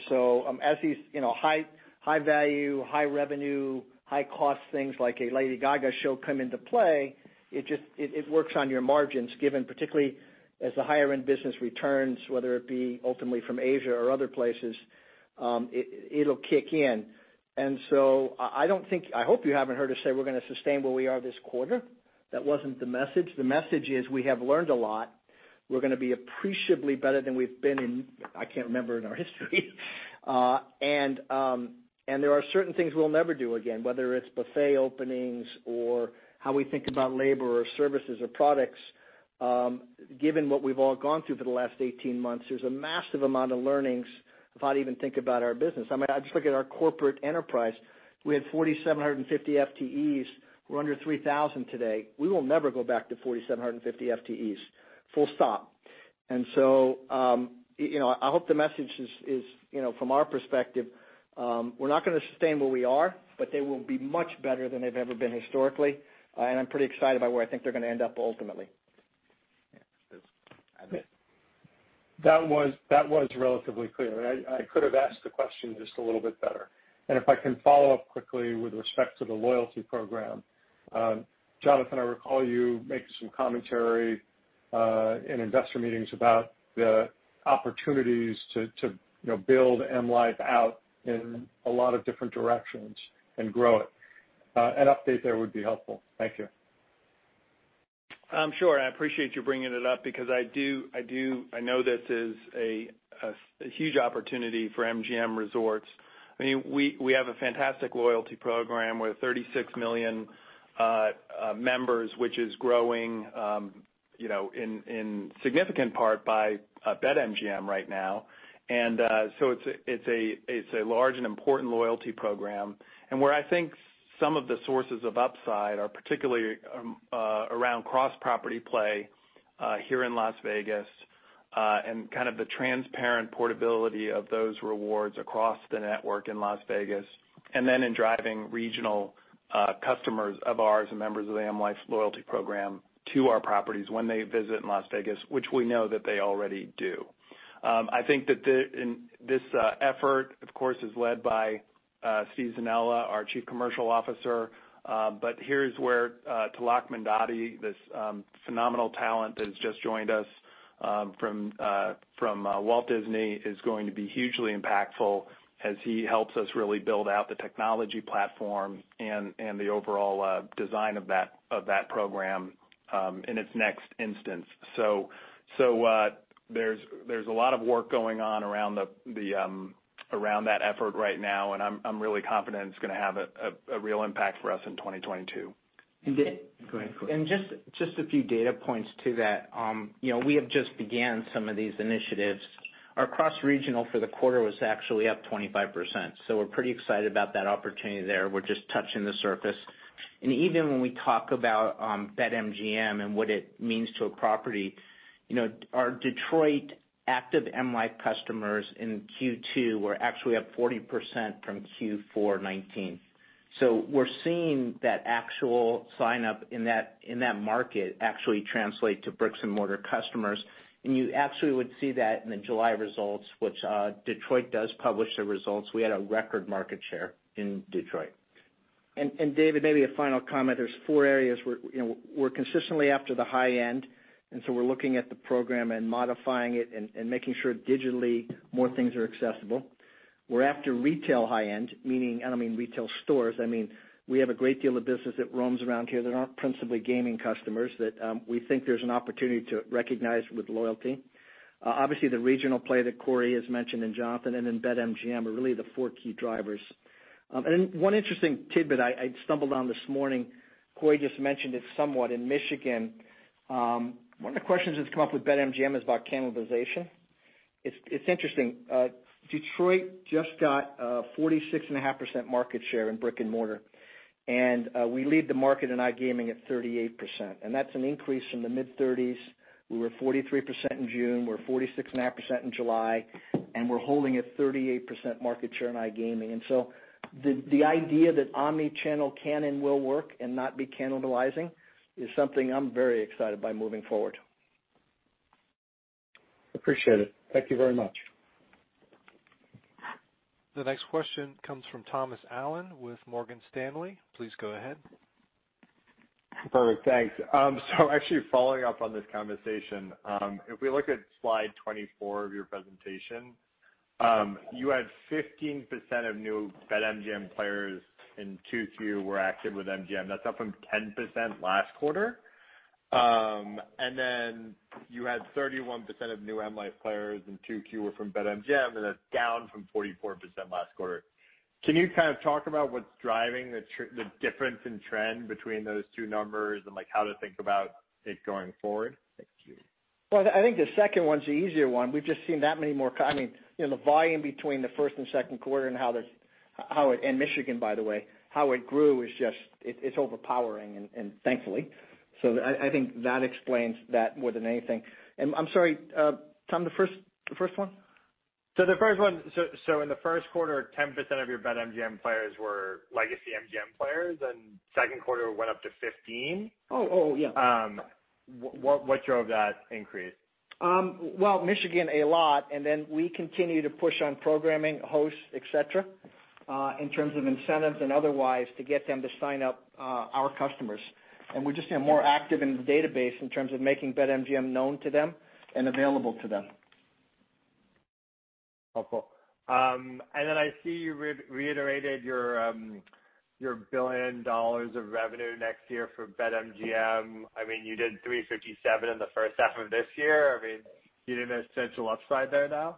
these high value, high revenue, high cost things like a Lady Gaga show come into play, it works on your margins given particularly as the higher end business returns, whether it be ultimately from Asia or other places, it'll kick in. I hope you haven't heard us say we're going to sustain where we are this quarter. That wasn't the message. The message is we have learned a lot. We're going to be appreciably better than we've been in, I can't remember, in our history. There are certain things we'll never do again, whether it's buffet openings or how we think about labor or services or products. Given what we've all gone through for the last 18 months, there's a massive amount of learnings if I'd even think about our business. I just look at our corporate enterprise. We had 4,750 FTEs. We're under 3,000 today. We will never go back to 4,750 FTEs, full stop. I hope the message is from our perspective we're not going to sustain where we are, but they will be much better than they've ever been historically. I'm pretty excited about where I think they're going to end up ultimately. That was relatively clear. I could have asked the question just a little bit better. If I can follow up quickly with respect to the loyalty program. Jonathan, I recall you making some commentary in investor meetings about the opportunities to build M life Rewards out in a lot of different directions and grow it. An update there would be helpful. Thank you. Sure. I appreciate you bringing it up because I know this is a huge opportunity for MGM Resorts. We have a fantastic loyalty program with 36 million members, which is growing in significant part by BetMGM right now. It's a large and important loyalty program. Where I think some of the sources of upside are particularly around cross-property play here in Las Vegas and kind of the transparent portability of those rewards across the network in Las Vegas, then in driving regional customers of ours and members of the M life loyalty program to our properties when they visit in Las Vegas, which we know that they already do. I think that this effort, of course, is led by Steve Zanella, our Chief Commercial Officer. Here is where Tilak Mandadi, this phenomenal talent that has just joined us from Walt Disney is going to be hugely impactful as he helps us really build out the technology platform and the overall design of that program in its next instance. There's a lot of work going on around that effort right now, and I'm really confident it's going to have a real impact for us in 2022. Go ahead, Corey. Just a few data points to that. We have just began some of these initiatives. Our cross-regional for the quarter was actually up 25%, so we're pretty excited about that opportunity there. We're just touching the surface. Even when we talk about BetMGM and what it means to a property, our Detroit active M life customers in Q2 were actually up 40% from Q4 2019. We're seeing that actual sign-up in that market actually translate to bricks and mortar customers. You actually would see that in the July results, which Detroit does publish their results. We had a record market share in Detroit. David, maybe a final comment. There's four areas we're consistently after the high end, we're looking at the program and modifying it and making sure digitally more things are accessible. We're after retail high-end, I don't mean retail stores, I mean, we have a great deal of business that roams around here that aren't principally gaming customers that we think there's an opportunity to recognize with loyalty. Obviously, the regional play that Corey has mentioned, and Jonathan, and in BetMGM are really the four key drivers. One interesting tidbit I stumbled on this morning, Corey just mentioned it somewhat. In Michigan, one of the questions that's come up with BetMGM is about cannibalization. It's interesting. Detroit just got 46.5% market share in brick and mortar. We lead the market in iGaming at 38%, and that's an increase from the mid-30%s. We were 43% in June. We're 46.5% in July, and we're holding at 38% market share in iGaming. The idea that omni-channel can and will work and not be cannibalizing is something I'm very excited by moving forward. Appreciate it. Thank you very much. The next question comes from Thomas Allen with Morgan Stanley. Please go ahead. Perfect, thanks. Actually following up on this conversation, if we look at slide 24 of your presentation, you had 15% of new BetMGM players in Q2 who were active with MGM. That's up from 10% last quarter. You had 31% of new M life players in Q2 who were from BetMGM, that's down from 44% last quarter. Can you kind of talk about what's driving the difference in trend between those two numbers and how to think about it going forward? Thank you. Well, I think the second one's the easier one. We've just seen the volume between the first and second quarter and how it, in Michigan by the way, how it grew is just, it's overpowering and thankfully. I think that explains that more than anything. I'm sorry, Tom, the first one? The first one, in the first quarter, 10% of your BetMGM players were legacy MGM players, and second quarter went up to 15%? Oh, yeah. What drove that increase? Well, Michigan, a lot. We continue to push on programming hosts, et cetera, in terms of incentives and otherwise to get them to sign up our customers. We're just more active in the database in terms of making BetMGM known to them and available to them. Oh, cool. I see you reiterated your $1 billion of revenue next year for BetMGM. You did $357 million in the first half of this year. You didn't have essential upside there now?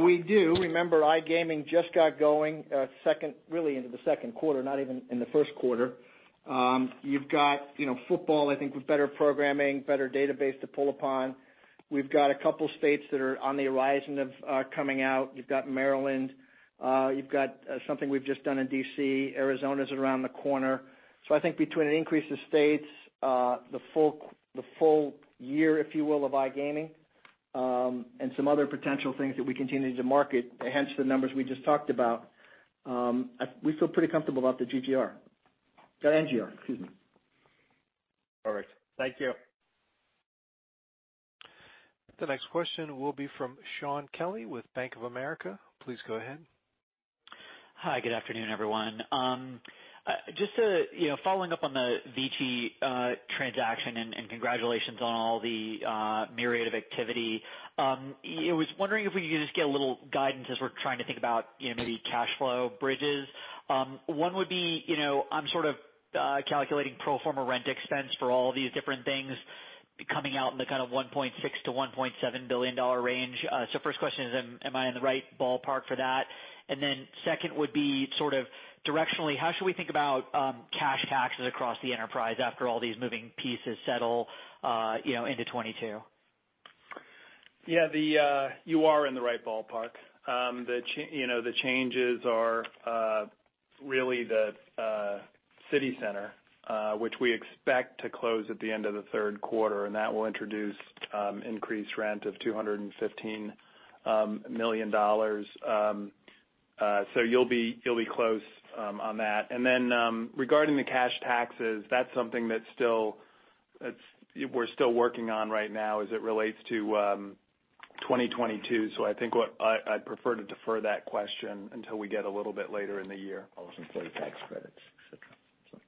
We do. Remember, iGaming just got going really into the second quarter, not even in the first quarter. You've got football, I think, with better programming, better database to pull upon. We've got 2 states that are on the horizon of coming out. You've got Maryland. You've got something we've just done in D.C. Arizona's around the corner. I think between an increase of states, the full year, if you will, of iGaming, and some other potential things that we continue to market, hence the numbers we just talked about. We feel pretty comfortable about the GGR. The NGR, excuse me. Perfect. Thank you. The next question will be from Shaun Kelley with Bank of America. Please go ahead. Hi, good afternoon, everyone. Just following up on the VT transaction, congratulations on all the myriad of activity. I was wondering if we could just get a little guidance as we're trying to think about maybe cash flow bridges. One would be, I'm sort of calculating pro forma rent expense for all of these different things coming out in the kind of $1.6 billion-$1.7 billion range. First question is, am I in the right ballpark for that? Second would be sort of directionally, how should we think about cash taxes across the enterprise after all these moving pieces settle into 2022? Yeah, you are in the right ballpark. The changes are really the CityCenter, which we expect to close at the end of the third quarter, and that will introduce increased rent of $215 million. You'll be close on that. Regarding the cash taxes, that's something that we're still working on right now as it relates to 2022. I think I'd prefer to defer that question until we get a little bit later in the year. Include tax credits, et cetera.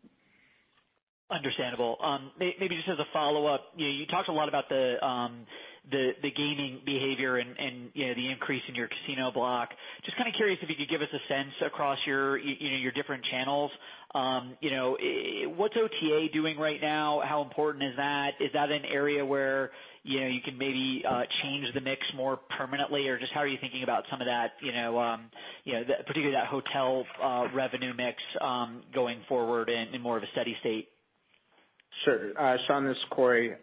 Understandable. Maybe just as a follow-up, you talked a lot about the gaming behavior and the increase in your casino block. Just kind of curious if you could give us a sense across your different channels. What's OTA doing right now? How important is that? Is that an area where you can maybe change the mix more permanently? Or just how are you thinking about some of that, particularly that hotel revenue mix going forward in more of a steady state? Sure. Shaun, this is Corey.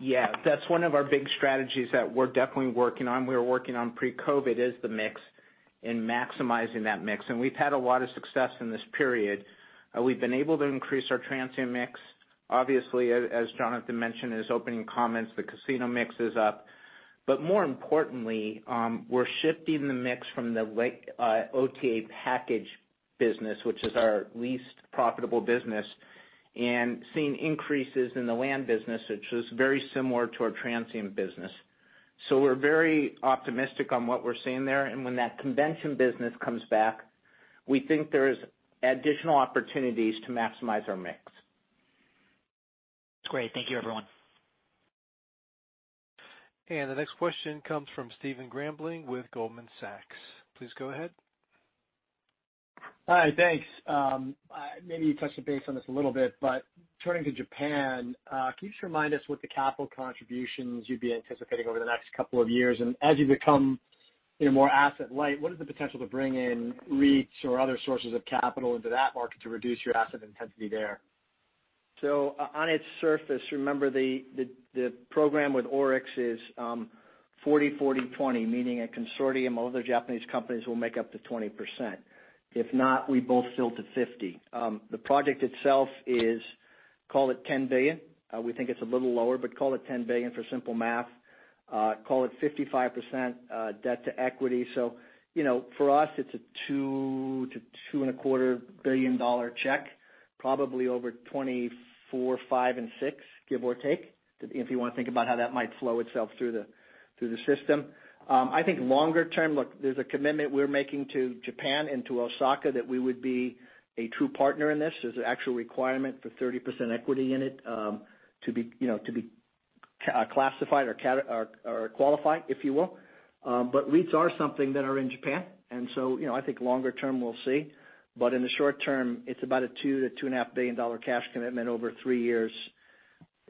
Yeah, that's one of our big strategies that we're definitely working on. We were working on pre-COVID is the mix and maximizing that mix. We've had a lot of success in this period. We've been able to increase our transient mix. Obviously, as Jonathan mentioned in his opening comments, the casino mix is up. More importantly, we're shifting the mix from the OTA package business, which is our least profitable business, and seeing increases in the land business, which is very similar to our transient business. We're very optimistic on what we're seeing there. When that convention business comes back, we think there is additional opportunities to maximize our mix. That's great. Thank you, everyone. The next question comes from Stephen Grambling with Goldman Sachs. Please go ahead. Hi, thanks. Maybe you touched base on this a little bit. Turning to Japan, can you just remind us what the capital contributions you'd be anticipating over the next two years? As you become more asset light, what is the potential to bring in REITs or other sources of capital into that market to reduce your asset intensity there? On its surface, remember the program with ORIX is 40%/40%/20%, meaning a consortium of other Japanese companies will make up to 20%. If not, we both fill to 50%. The project itself is, call it, $10 billion. We think it's a little lower, but call it $10 billion for simple math. Call it 55% debt to equity. For us, it's a $2 billion-$2.25 billion check, probably over 2024, 2025, and 2026, give or take, if you want to think about how that might flow itself through the system. I think longer term, look, there's a commitment we're making to Japan and to Osaka that we would be a true partner in this. There's an actual requirement for 30% equity in it to be classified or qualified, if you will. But REITs are something that are in Japan, and so I think longer term we'll see. In the short term, it's about a $2 billion-$2.5 billion cash commitment over three years,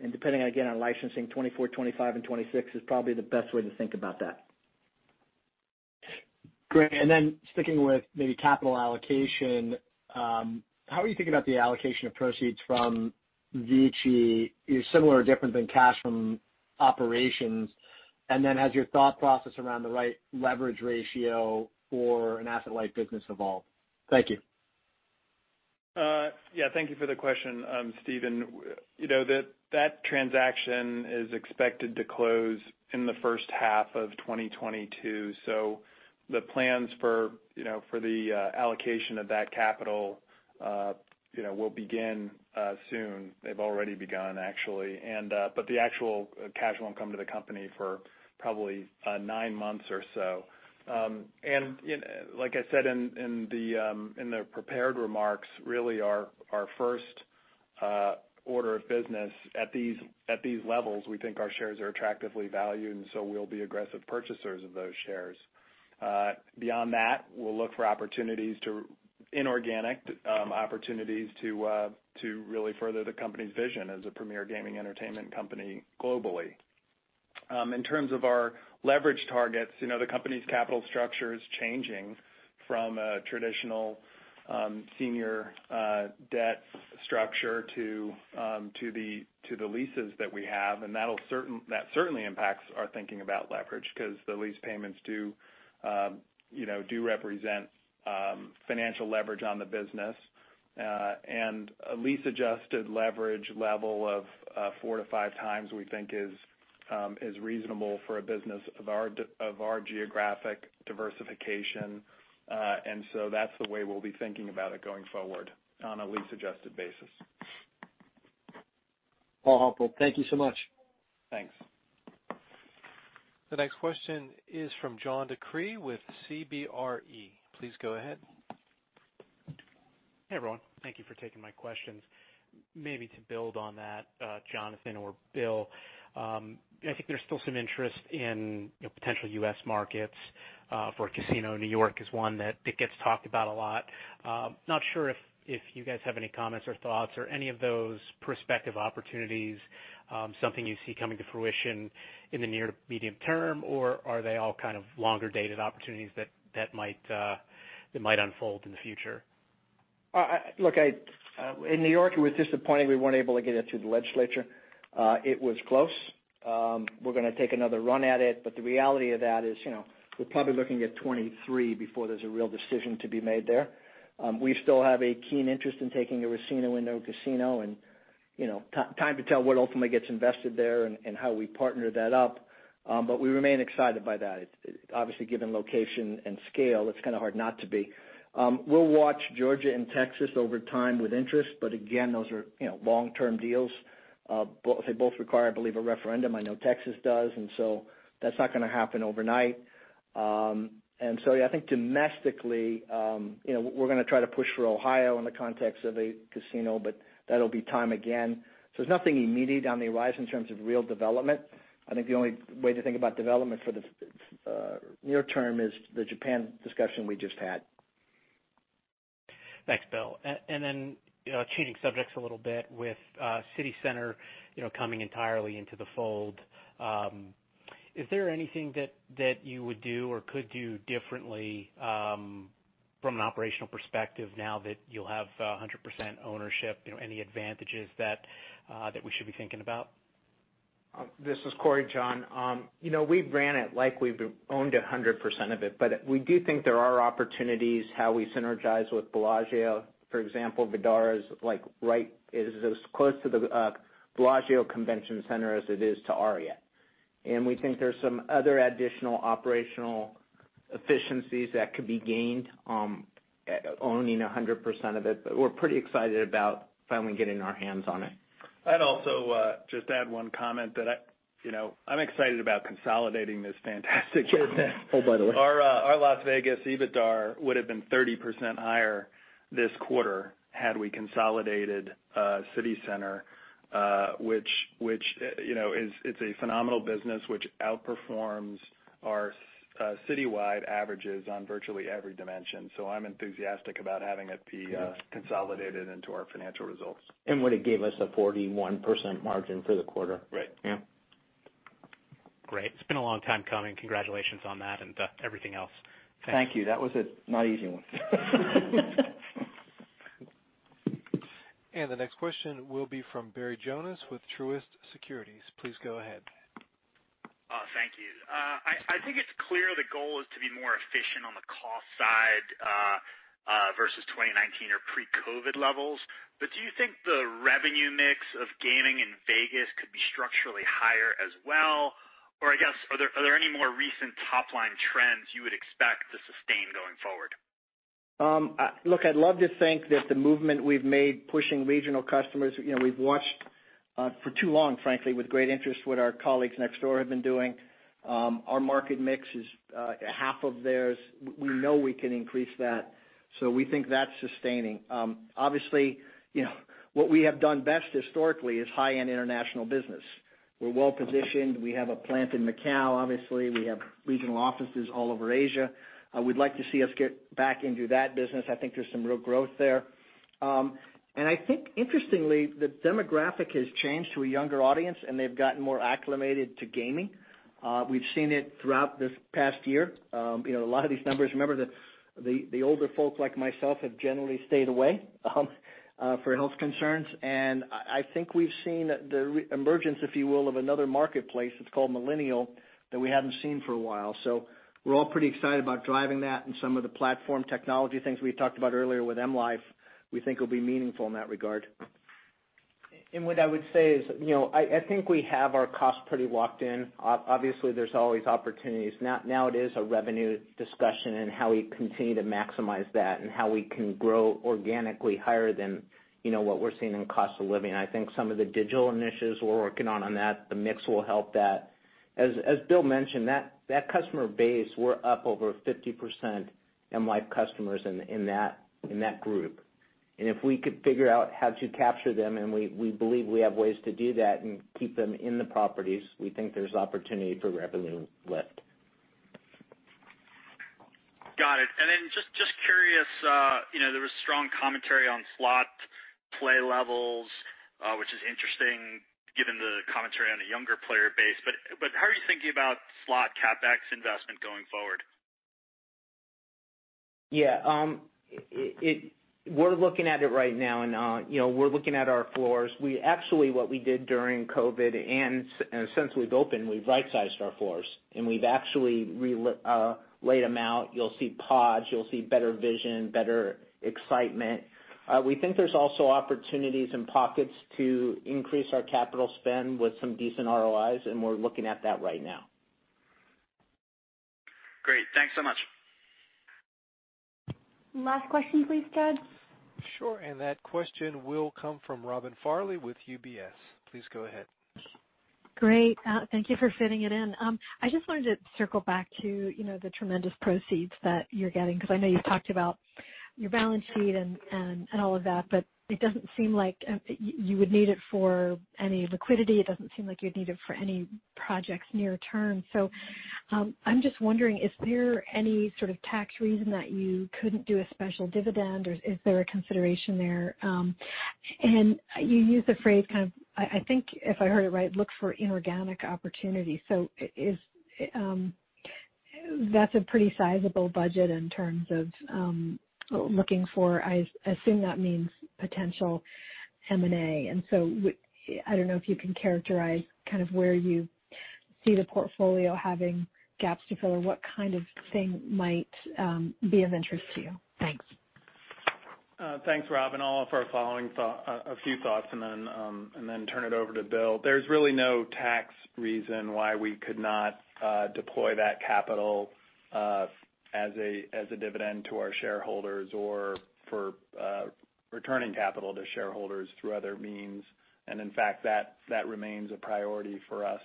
and depending, again, on licensing, 2024, 2025, and 2026 is probably the best way to think about that. Great. Sticking with maybe capital allocation, how are you thinking about the allocation of proceeds from VICI is similar or different than cash from operations? Has your thought process around the right leverage ratio for an asset-light business evolved? Thank you. Yeah. Thank you for the question, Stephen. That transaction is expected to close in the first half of 2022. The plans for the allocation of that capital will begin soon. They've already begun, actually. The actual cash won't come to the company for probably nine months or so. Like I said in the prepared remarks, really our first order of business at these levels, we think our shares are attractively valued, and so we'll be aggressive purchasers of those shares. Beyond that, we'll look for inorganic opportunities to really further the company's vision as a premier gaming entertainment company globally. In terms of our leverage targets, the company's capital structure is changing from a traditional senior debt structure to the leases that we have. That certainly impacts our thinking about leverage because the lease payments do represent financial leverage on the business. A lease-adjusted leverage level of 4x-5x we think is reasonable for a business of our geographic diversification. That's the way we'll be thinking about it going forward on a lease-adjusted basis. Well, helpful. Thank you so much. Thanks. The next question is from John DeCree with CBRE. Please go ahead. Hey, everyone. Thank you for taking my questions. Maybe to build on that, Jonathan or Bill, I think there's still some interest in potential U.S. markets for a casino. New York is one that gets talked about a lot. Not sure if you guys have any comments or thoughts or any of those prospective opportunities, something you see coming to fruition in the near to medium term, or are they all kind of longer-dated opportunities that might unfold in the future? Look, in New York, it was disappointing we weren't able to get it through the legislature. It was close. We're going to take another run at it. The reality of that is we're probably looking at 2023 before there's a real decision to be made there. We still have a keen interest in taking a racino into a casino and time to tell what ultimately gets invested there and how we partner that up. We remain excited by that. Obviously, given location and scale, it's kind of hard not to be. We'll watch Georgia and Texas over time with interest. Again, those are long-term deals. They both require, I believe, a referendum. I know Texas does. That's not going to happen overnight. I think domestically, we're going to try to push for Ohio in the context of a casino, but that'll be time again. There's nothing immediate on the horizon in terms of real development. I think the only way to think about development for the near term is the Japan discussion we just had. Thanks, Bill. Changing subjects a little bit with CityCenter coming entirely into the fold, is there anything that you would do or could do differently from an operational perspective now that you'll have 100% ownership? Any advantages that we should be thinking about? This is Corey, John. We've ran it like we've owned 100% of it. We do think there are opportunities how we synergize with Bellagio. For example, Vdara is as close to the Bellagio Convention Center as it is to Aria. We think there's some other additional operational efficiencies that could be gained owning 100% of it. We're pretty excited about finally getting our hands on it. I'd also just add one comment that I'm excited about consolidating this fantastic business. Oh, by the way. Our Las Vegas EBITDA would have been 30% higher this quarter had we consolidated CityCenter, which is a phenomenal business which outperforms our citywide averages on virtually every dimension. I'm enthusiastic about having it be consolidated into our financial results. Would have gave us a 41% margin for the quarter. Right. Yeah. Great. It's been a long time coming. Congratulations on that and everything else. Thanks. Thank you. That was a not easy one. The next question will be from Barry Jonas with Truist Securities. Please go ahead. Thank you. I think it's clear the goal is to be more efficient on the cost side versus 2019 or pre-COVID levels, do you think the revenue mix of gaming in Vegas could be structurally higher as well? I guess, are there any more recent top-line trends you would expect to sustain going forward? Look, I'd love to think that the movement we've made pushing regional customers, we've watched for too long, frankly, with great interest what our colleagues next door have been doing. Our market mix is half of theirs. We know we can increase that. We think that's sustaining. Obviously, what we have done best historically is high-end international business. We're well-positioned. We have a plant in Macau, obviously. We have regional offices all over Asia. We'd like to see us get back into that business. I think there's some real growth there. I think interestingly, the demographic has changed to a younger audience, and they've gotten more acclimated to gaming. We've seen it throughout this past year. A lot of these numbers, remember the older folks like myself, have generally stayed away for health concerns. I think we've seen the emergence, if you will, of another marketplace that's called millennial that we haven't seen for a while. We're all pretty excited about driving that and some of the platform technology things we talked about earlier with M life, we think will be meaningful in that regard. What I would say is I think we have our costs pretty locked in. Obviously, there's always opportunities. Now it is a revenue discussion and how we continue to maximize that and how we can grow organically higher than what we're seeing in cost of living. I think some of the digital initiatives we're working on that, the mix will help that. As Bill mentioned, that customer base, we're up over 50% M life customers in that group. If we could figure out how to capture them, and we believe we have ways to do that and keep them in the properties, we think there's opportunity for revenue lift. Got it. Just curious, there was strong commentary on slot play levels, which is interesting given the commentary on the younger player base. How are you thinking about slot CapEx investment going forward? We're looking at it right now, and we're looking at our floors. Actually, what we did during COVID, and since we've opened, we've right-sized our floors, and we've actually re-laid them out. You'll see pods. You'll see better vision, better excitement. We think there's also opportunities in pockets to increase our capital spend with some decent ROIs, and we're looking at that right now. Great. Thanks so much. Last question please, Ted. Sure. That question will come from Robin Farley with UBS. Please go ahead. Great. Thank you for fitting it in. I just wanted to circle back to the tremendous proceeds that you're getting, because I know you've talked about your balance sheet and all of that, but it doesn't seem like you would need it for any liquidity. It doesn't seem like you'd need it for any projects near term. I'm just wondering, is there any sort of tax reason that you couldn't do a special dividend, or is there a consideration there? You used the phrase, I think if I heard it right, look for inorganic opportunities. That's a pretty sizable budget in terms of looking for, I assume that means potential M&A. I don't know if you can characterize where you see the portfolio having gaps to fill or what kind of thing might be of interest to you. Thanks. Thanks, Robin. I'll offer a few thoughts and then turn it over to Bill. There's really no tax reason why we could not deploy that capital as a dividend to our shareholders or for returning capital to shareholders through other means. In fact, that remains a priority for us.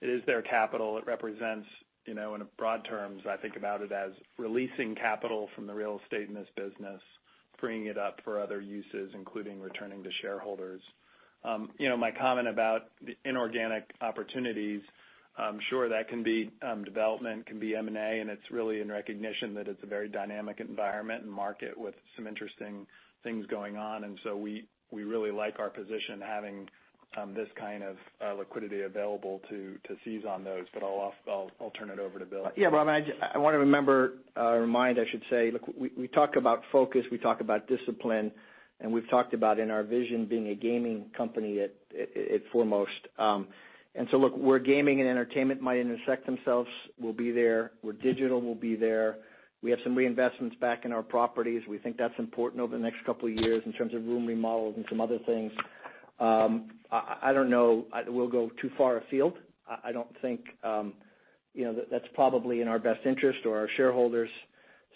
It is their capital. It represents, in broad terms, I think about it as releasing capital from the real estate in this business, freeing it up for other uses, including returning to shareholders. My comment about the inorganic opportunities, sure, that can be development, can be M&A, and it's really in recognition that it's a very dynamic environment and market with some interesting things going on. We really like our position having this kind of liquidity available to seize on those. I'll turn it over to Bill. Yeah, Robin, I want to remind, I should say. Look, we talk about focus, we talk about discipline. We've talked about in our vision being a gaming company at foremost. Look, where gaming and entertainment might intersect themselves, we'll be there, where digital, we'll be there. We have some reinvestments back in our properties. We think that's important over the next couple of years in terms of room remodels and some other things. I don't know we'll go too far afield. I don't think that's probably in our best interest or our shareholders.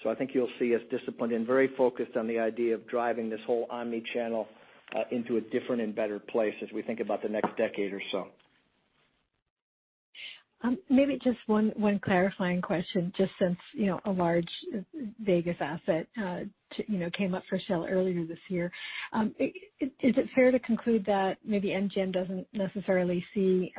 I think you'll see us disciplined and very focused on the idea of driving this whole omnichannel into a different and better place as we think about the next decade or so. Maybe just one clarifying question, just since a large Vegas asset came up for sale earlier this year. Is it fair to conclude that maybe MGM doesn't necessarily see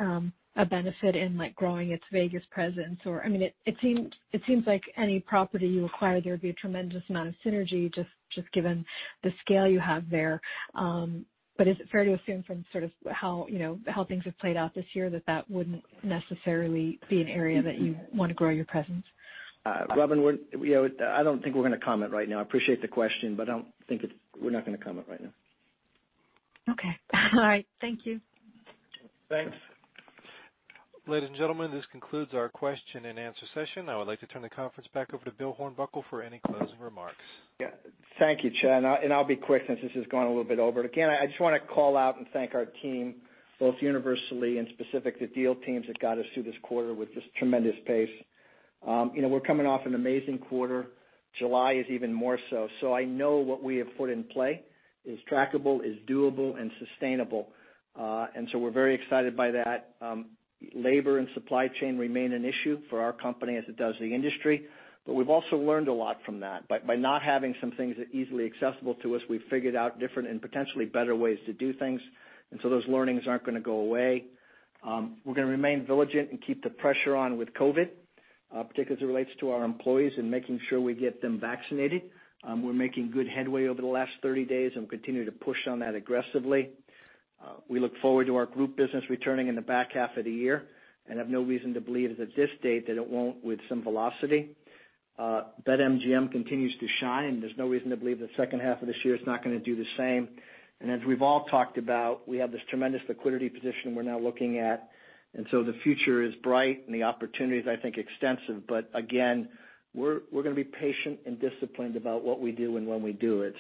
a benefit in growing its Vegas presence? It seems like any property you acquire, there would be a tremendous amount of synergy, just given the scale you have there. But is it fair to assume from how things have played out this year that that wouldn't necessarily be an area that you want to grow your presence? Robin, I don't think we're going to comment right now. I appreciate the question, we're not going to comment right now. Okay. All right. Thank you. Thanks. Ladies and gentlemen, this concludes our question-and-answer session. I would like to turn the conference back over to Bill Hornbuckle for any closing remarks. Yeah. Thank you, Chad, I'll be quick since this is going a little bit over. Again, I just want to call out and thank our team, both universally and specific to deal teams that got us through this quarter with just tremendous pace. We're coming off an amazing quarter. July is even more so. I know what we have put in play is trackable, is doable, and sustainable. We're very excited by that. Labor and supply chain remain an issue for our company as it does the industry. We've also learned a lot from that. By not having some things easily accessible to us, we've figured out different and potentially better ways to do things. Those learnings aren't going to go away. We're going to remain vigilant and keep the pressure on with COVID, particularly as it relates to our employees and making sure we get them vaccinated. We're making good headway over the last 30 days and continue to push on that aggressively. We look forward to our group business returning in the back half of the year and have no reason to believe at this date that it won't with some velocity. BetMGM continues to shine, there's no reason to believe that the second half of this year is not going to do the same. As we've all talked about, we have this tremendous liquidity position we're now looking at. The future is bright and the opportunities, I think, extensive. Again, we're going to be patient and disciplined about what we do and when we do it.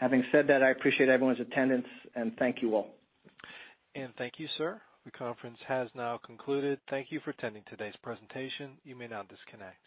Having said that, I appreciate everyone's attendance and thank you all. And thank you, sir. The conference has now concluded. Thank you for attending today's presentation. You may now disconnect.